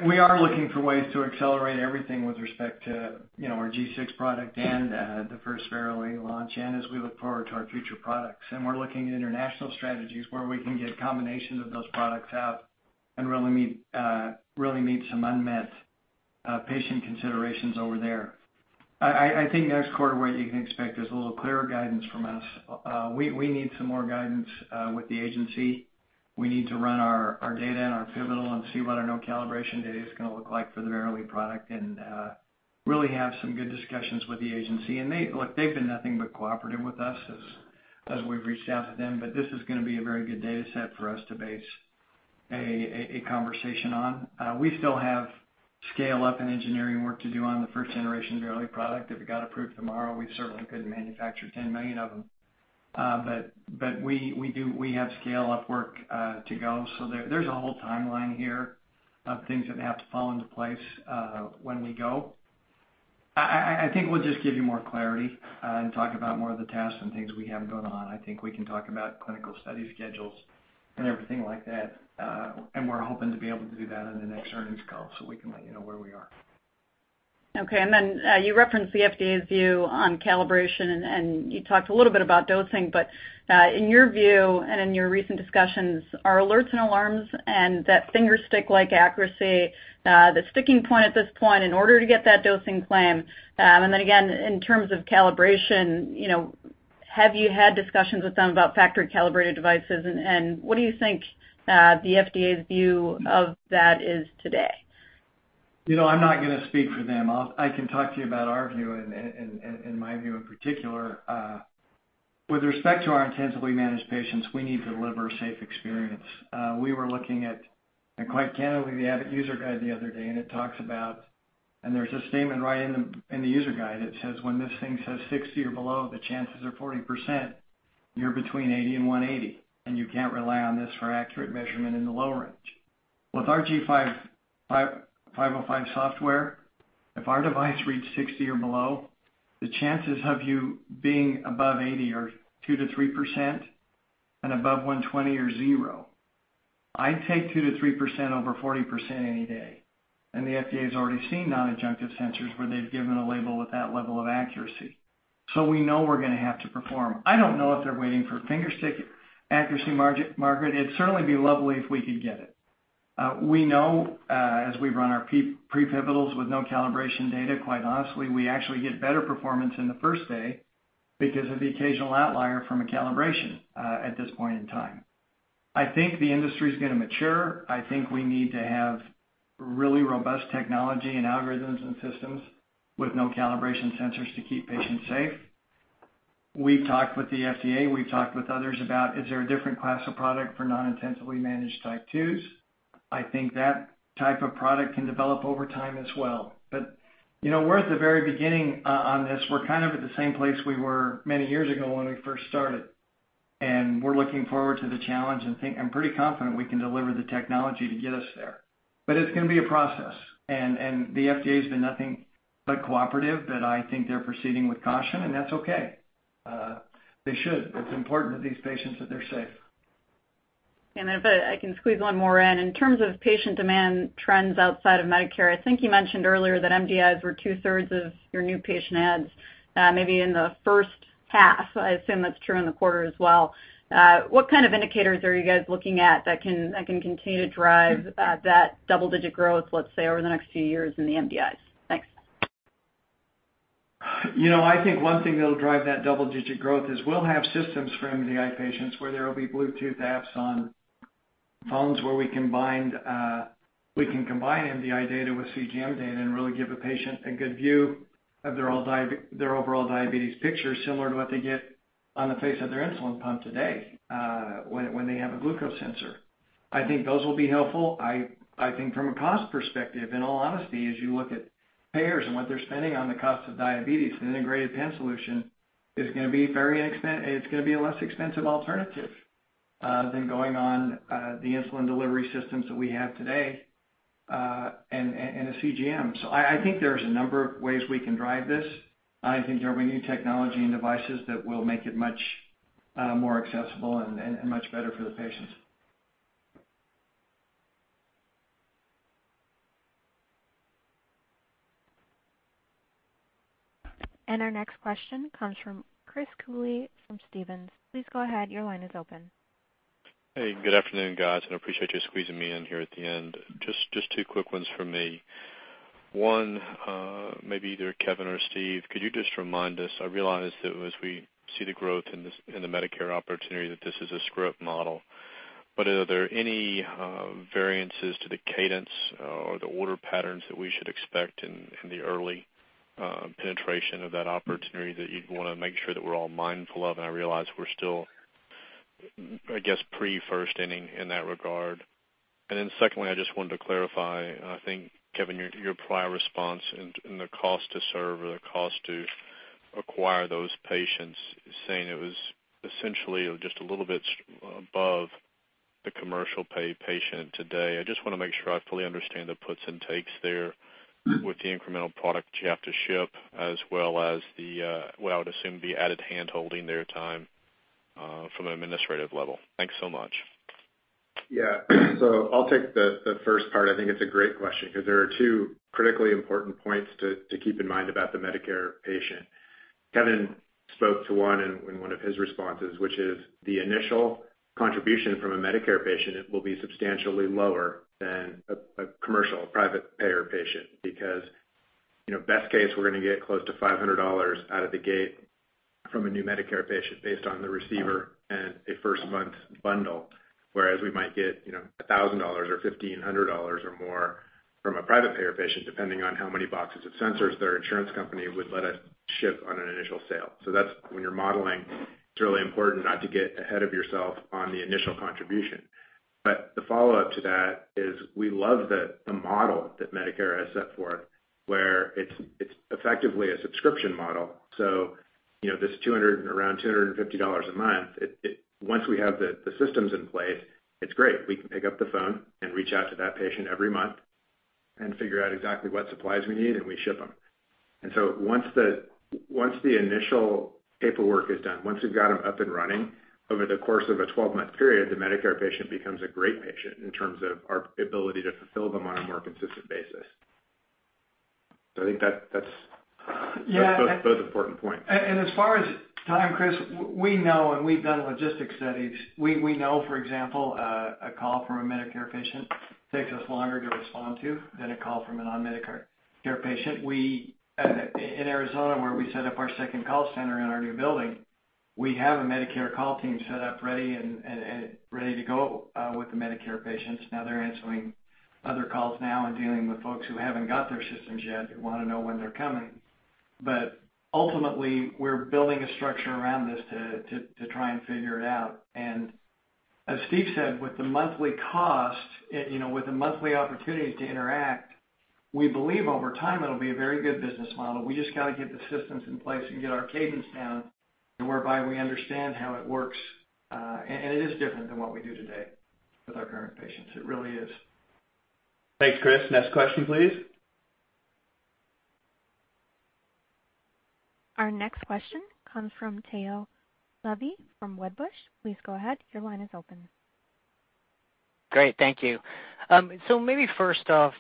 We are looking for ways to accelerate everything with respect to, you know, our G6 product and the first Verily launch, and as we look forward to our future products. We're looking at international strategies where we can get combinations of those products out and really meet some unmet patient considerations over there. I think next quarter what you can expect is a little clearer guidance from us. We need some more guidance with the Agency. We need to run our data and our pivotal and see what our no calibration data is gonna look like for the Verily product and really have some good discussions with the agency. Look, they've been nothing but cooperative with us as we've reached out to them. This is gonna be a very good data set for us to base a conversation on. We still have scale up and engineering work to do on the first generation Verily product. If it got approved tomorrow, we certainly couldn't manufacture 10 million of them. But we do—we have scale up work to go. There's a whole timeline here of things that have to fall into place when we go. I think we'll just give you more clarity and talk about more of the tasks and things we have going on. I think we can talk about clinical study schedules and everything like that. We're hoping to be able to do that in the next earnings call so we can let you know where we are. You referenced the FDA's view on calibration, and you talked a little bit about dosing. In your view and in your recent discussions, are alerts and alarms and that fingerstick-like accuracy the sticking point at this point in order to get that dosing claim? In terms of calibration, you know, have you had discussions with them about factory calibrated devices? What do you think the FDA's view of that is today? You know, I'm not gonna speak for them. I can talk to you about our view and my view in particular. With respect to our intensively managed patients, we need to deliver a safe experience. We were looking at, and quite candidly, the Abbott user guide the other day, and it talks about, and there's a statement right in the user guide. It says, when this thing says 60 or below, the chances are 40% you're between 80 and 180, and you can't rely on this for accurate measurement in the lower range. With our G5 505 software, if our device reads 60 or below, the chances of you being above 80 are 2%-3% and above 120 are zero. I'd take 2%-3% over 40% any day. The FDA has already seen non-adjunctive sensors where they've given a label with that level of accuracy. We know we're gonna have to perform. I don't know if they're waiting for fingerstick accuracy, Margaret. It'd certainly be lovely if we could get it. We know, as we run our pre-pivotal with no calibration data, quite honestly, we actually get better performance in the first day because of the occasional outlier from a calibration, at this point in time. I think the industry is gonna mature. I think we need to have really robust technology and algorithms and systems with no calibration sensors to keep patients safe. We've talked with the FDA, we've talked with others about is there a different class of product for non-intensively managed Type 2s. I think that type of product can develop over time as well. You know, we're at the very beginning on this. We're kind of at the same place we were many years ago when we first started, and we're looking forward to the challenge and I'm pretty confident we can deliver the technology to get us there. It's gonna be a process. The FDA has been nothing but cooperative, but I think they're proceeding with caution, and that's okay. They should. It's important to these patients that they're safe. If I can squeeze one more in. In terms of patient demand trends outside of Medicare, I think you mentioned earlier that MDIs were two-thirds of your new patient adds, maybe in the first half. I assume that's true in the quarter as well. What kind of indicators are you guys looking at that can continue to drive that double-digit growth, let's say, over the next few years in the MDIs? Thanks. You know, I think one thing that'll drive that double-digit growth is we'll have systems for MDI patients where there will be Bluetooth apps on phones where we can combine MDI data with CGM data and really give a patient a good view of their overall diabetes picture, similar to what they get on the face of their insulin pump today, when they have a glucose sensor. I think those will be helpful. I think from a cost perspective, in all honesty, as you look at payers and what they're spending on the cost of diabetes, an integrated pen solution is gonna be a less expensive alternative than going on the insulin delivery systems that we have today, and a CGM. I think there's a number of ways we can drive this. I think there will be new technology and devices that will make it much more accessible and much better for the patients. Our next question comes from Chris Cooley from Stephens. Please go ahead. Your line is open. Hey, good afternoon, guys, and I appreciate you squeezing me in here at the end. Just two quick ones from me. One, maybe either Kevin or Steve, could you just remind us? I realize that as we see the growth in this, in the Medicare opportunity, that this is a script model. But are there any variances to the cadence or the order patterns that we should expect in the early penetration of that opportunity that you'd wanna make sure that we're all mindful of? I realize we're still, I guess pre first inning in that regard. Then secondly, I just wanted to clarify, and I think, Kevin, your prior response in the cost to serve or the cost to acquire those patients, saying it was essentially just a little bit above the commercial pay patient today. I just wanna make sure I fully understand the puts and takes there. Mm-hmm. with the incremental product you have to ship as well as the, well, I would assume the added handholding their time, from an administrative level. Thanks so much. Yeah. I'll take the first part. I think it's a great question 'cause there are two critically important points to keep in mind about the Medicare patient. Kevin spoke to one in one of his responses, which is the initial contribution from a Medicare patient will be substantially lower than a commercial private payer patient. Because, you know, best case, we're gonna get close to $500 out of the gate from a new Medicare patient based on the receiver and a first month bundle. Whereas we might get, you know, $1,000 or $1,500 or more from a private payer patient, depending on how many boxes of sensors their insurance company would let us ship on an initial sale. That's when you're modeling, it's really important not to get ahead of yourself on the initial contribution. The follow up to that is we love the model that Medicare has set forth, where it's effectively a subscription model. You know, this $200, around $250 a month, it once we have the systems in place, it's great. We can pick up the phone and reach out to that patient every month and figure out exactly what supplies we need, and we ship them. Once the initial paperwork is done, once we've got them up and running over the course of a 12-month period, the Medicare patient becomes a great patient in terms of our ability to fulfill them on a more consistent basis. I think that's. Yeah. Those are important points. As far as time, Chris, we know and we've done logistics studies. We know, for example, a call from a Medicare patient takes us longer to respond to than a call from a non-Medicare patient. In Arizona, where we set up our second call center in our new building, we have a Medicare call team set up ready to go with the Medicare patients. Now they're answering other calls now and dealing with folks who haven't got their systems yet, who wanna know when they're coming. Ultimately, we're building a structure around this to try and figure it out. As Steve said, with the monthly cost, you know, with the monthly opportunities to interact, we believe over time it'll be a very good business model. We just gotta get the systems in place and get our cadence down and whereby we understand how it works. It is different than what we do today with our current patients. It really is. Thanks, Chris. Next question, please. Our next question comes from Tao Levy from Wedbush. Please go ahead. Your line is open. Great. Thank you. Maybe first off,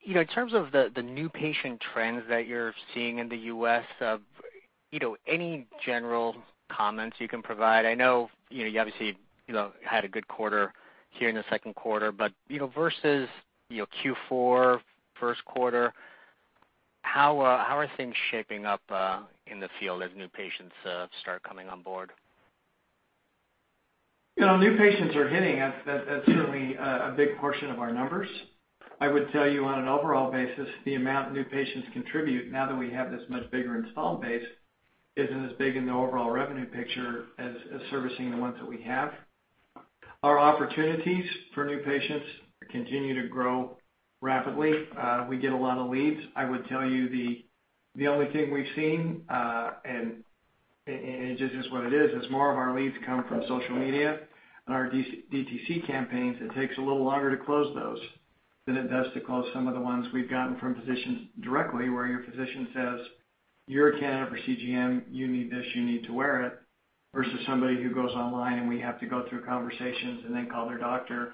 you know, in terms of the new patient trends that you're seeing in the U.S., you know, any general comments you can provide? I know, you know, you obviously, you know, had a good quarter here in the second quarter, but, you know, versus, you know, Q4 first quarter, how are things shaping up, in the field as new patients start coming on board? You know, new patients are hitting us. That's certainly a big portion of our numbers. I would tell you, on an overall basis, the amount new patients contribute now that we have this much bigger installed base isn't as big in the overall revenue picture as servicing the ones that we have. Our opportunities for new patients continue to grow rapidly. We get a lot of leads. I would tell you the only thing we've seen, and it just is what it is more of our leads come from social media and our DTC campaigns. It takes a little longer to close those than it does to close some of the ones we've gotten from physicians directly, where your physician says, "You're a candidate for CGM. You need this. You need to wear it." Versus somebody who goes online, and we have to go through conversations and then call their doctor and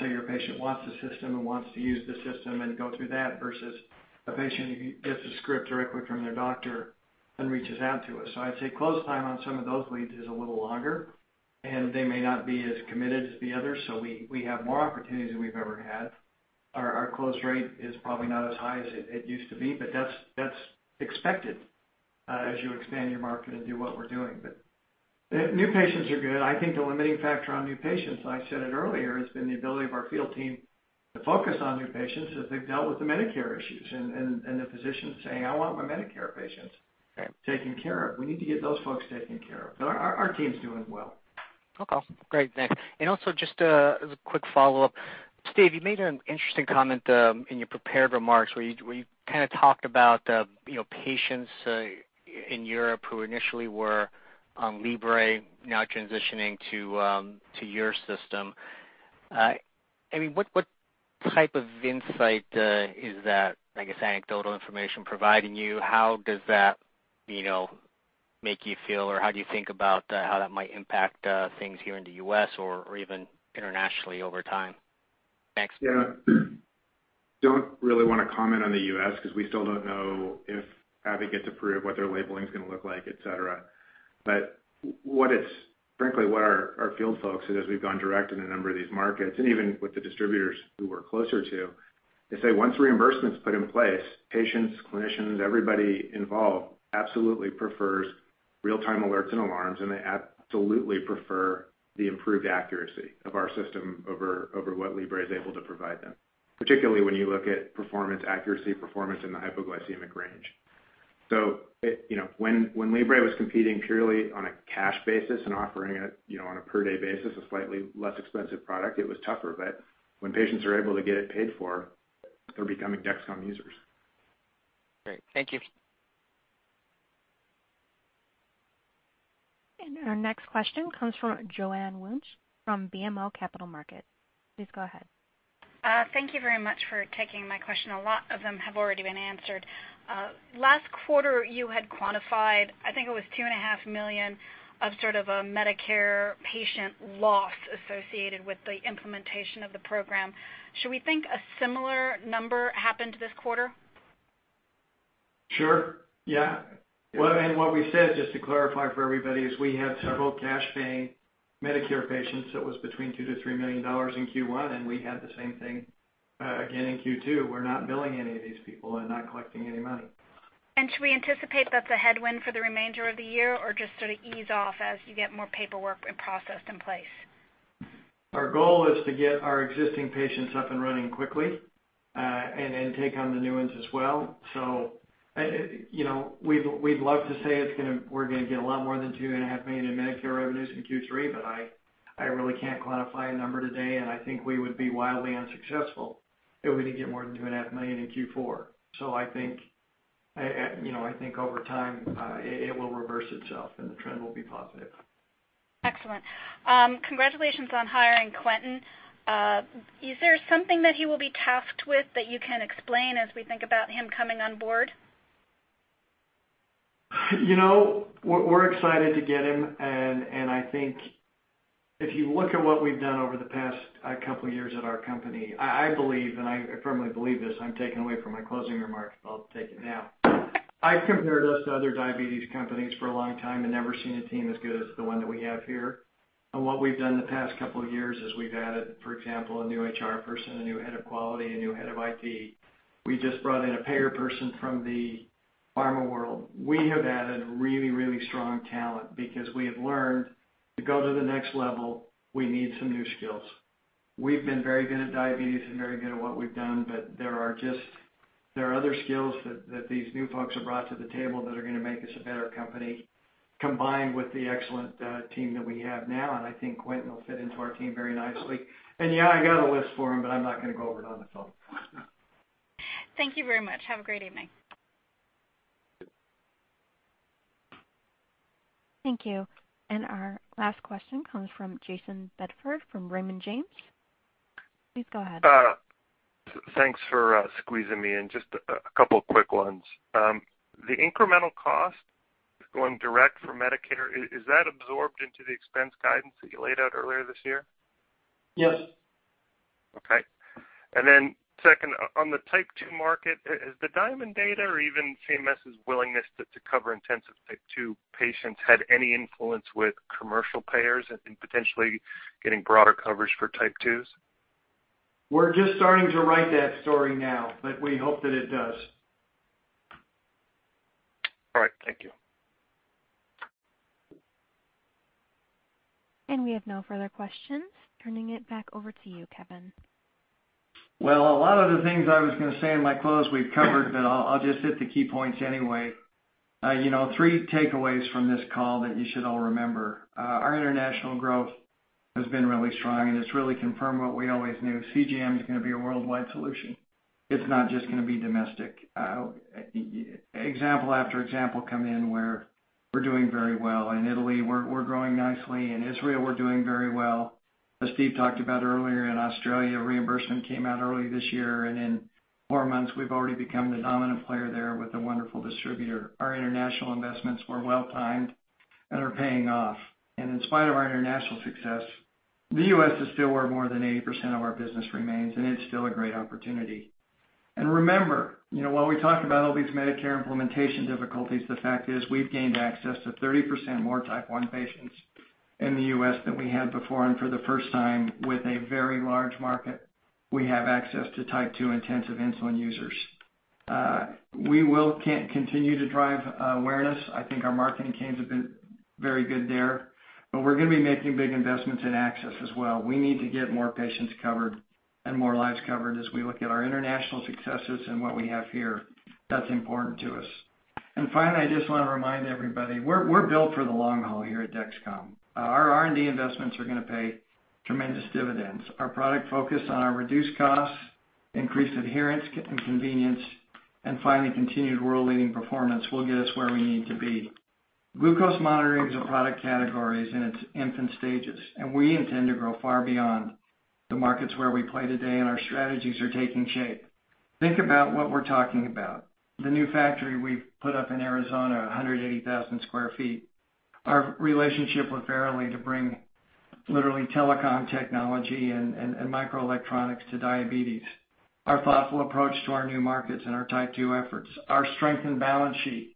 say, "Your patient wants the system and wants to use the system," and go through that versus a patient who gets a script directly from their doctor then reaches out to us. I'd say close time on some of those leads is a little longer, and they may not be as committed as the others. We have more opportunities than we've ever had. Our close rate is probably not as high as it used to be, but that's expected, as you expand your market and do what we're doing. New patients are good. I think the limiting factor on new patients, and I said it earlier, has been the ability of our field team to focus on new patients as they've dealt with the Medicare issues and the physicians saying, "I want my Medicare patients taken care of. We need to get those folks taken care of." But our team's doing well. Okay. Great. Thanks. Just as a quick follow-up. Steve, you made an interesting comment in your prepared remarks where you kinda talked about you know, patients in Europe who initially were on Libre now transitioning to your system. I mean, what type of insight is that, I guess, anecdotal information providing you? How does that you know, make you feel, or how do you think about how that might impact things here in the U.S. or even internationally over time? Thanks. Yeah. Don't really wanna comment on the U.S. 'cause we still don't know if Abbott gets approved, what their labeling is gonna look like, et cetera. Frankly, what our field folks is, as we've gone direct in a number of these markets, and even with the distributors who we're closer to, they say once reimbursement's put in place, patients, clinicians, everybody involved absolutely prefers real-time alerts and alarms, and they absolutely prefer the improved accuracy of our system over what Libre is able to provide them, particularly when you look at performance accuracy, performance in the hypoglycemic range. You know, when Libre was competing purely on a cash basis and offering it, you know, on a per day basis, a slightly less expensive product, it was tougher. When patients are able to get it paid for, they're becoming Dexcom users. Great. Thank you. Our next question comes from Joanne Wuensch from BMO Capital Markets. Please go ahead. Thank you very much for taking my question. A lot of them have already been answered. Last quarter, you had quantified, I think it was 2.5 million of sort of a Medicare patient loss associated with the implementation of the program. Should we think a similar number happened this quarter? Sure. Yeah. Well, what we said, just to clarify for everybody, is we had several cash paying Medicare patients that was between $2-$3 million in Q1, and we had the same thing again in Q2. We're not billing any of these people and not collecting any money. Should we anticipate that's a headwind for the remainder of the year or just sort of ease off as you get more paperwork and process in place? Our goal is to get our existing patients up and running quickly, and then take on the new ones as well. You know, we'd love to say we're gonna get a lot more than $2.5 million in Medicare revenues in Q3, but I really can't quantify a number today, and I think we would be wildly unsuccessful if we didn't get more than $2.5 million in Q4. You know, I think over time, it will reverse itself, and the trend will be positive. Excellent. Congratulations on hiring Quentin. Is there something that he will be tasked with that you can explain as we think about him coming on board? You know, we're excited to get him, and I think if you look at what we've done over the past couple of years at our company, I believe, and I firmly believe this, I'm taking away from my closing remarks, but I'll take it now. I've compared us to other diabetes companies for a long time and never seen a team as good as the one that we have here. What we've done in the past couple of years is we've added, for example, a new HR person, a new head of quality, a new head of IT. We just brought in a payer person from the pharma world. We have added really strong talent because we have learned to go to the next level, we need some new skills. We've been very good at diabetes and very good at what we've done, but there are other skills that these new folks have brought to the table that are gonna make us a better company, combined with the excellent team that we have now. I think Quentin will fit into our team very nicely. Yeah, I got a list for him, but I'm not gonna go over it on the phone. Thank you very much. Have a great evening. Thank you. Our last question comes from Jayson Bedford from Raymond James. Please go ahead. Thanks for squeezing me in. Just a couple of quick ones. The incremental cost going direct for Medicare, is that absorbed into the expense guidance that you laid out earlier this year? Yes. Okay. Second, on the Type 2 market, has the DIAMOND data or even CMS's willingness to cover intensive Type 2 patients had any influence with commercial payers in potentially getting broader coverage for Type 2s? We're just starting to write that story now, but we hope that it does. All right. Thank you. We have no further questions. Turning it back over to you, Kevin. Well, a lot of the things I was gonna say in my close, we've covered, but I'll just hit the key points anyway. You know, three takeaways from this call that you should all remember. Our international growth has been really strong, and it's really confirmed what we always knew. CGM is gonna be a worldwide solution. It's not just gonna be domestic. Example after example come in where we're doing very well. In Italy, we're growing nicely. In Israel, we're doing very well. As Steve talked about earlier, in Australia, reimbursement came out early this year, and in four months, we've already become the dominant player there with a wonderful distributor. Our international investments were well timed and are paying off. In spite of our international success, the U.S. is still where more than 80% of our business remains, and it's still a great opportunity. Remember, you know, while we talked about all these Medicare implementation difficulties, the fact is we've gained access to 30% more Type 1 patients in the U.S. than we had before. For the first time, with a very large market, we have access to Type 2 intensive insulin users. We will continue to drive awareness. I think our marketing teams have been very good there, but we're gonna be making big investments in access as well. We need to get more patients covered and more lives covered. As we look at our international successes and what we have here, that's important to us. Finally, I just wanna remind everybody, we're built for the long haul here at Dexcom. Our R&D investments are gonna pay tremendous dividends. Our product focus on our reduced costs, increased adherence, and convenience, and finally, continued world-leading performance will get us where we need to be. Glucose monitoring as a product category is in its infant stages, and we intend to grow far beyond the markets where we play today, and our strategies are taking shape. Think about what we're talking about. The new factory we've put up in Arizona, 180,000 sq ft. Our relationship with Verily to bring literally telecom technology and microelectronics to diabetes. Our thoughtful approach to our new markets and our Type 2 efforts. Our strength and balance sheet.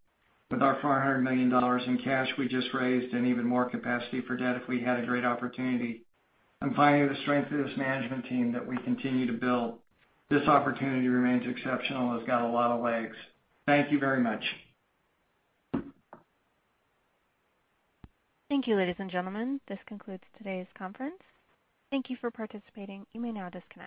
With our $400 million in cash we just raised and even more capacity for debt if we had a great opportunity. Finally, the strength of this management team that we continue to build. This opportunity remains exceptional. It's got a lot of legs. Thank you very much. Thank you, ladies and gentlemen. This concludes today's conference. Thank you for participating. You may now disconnect.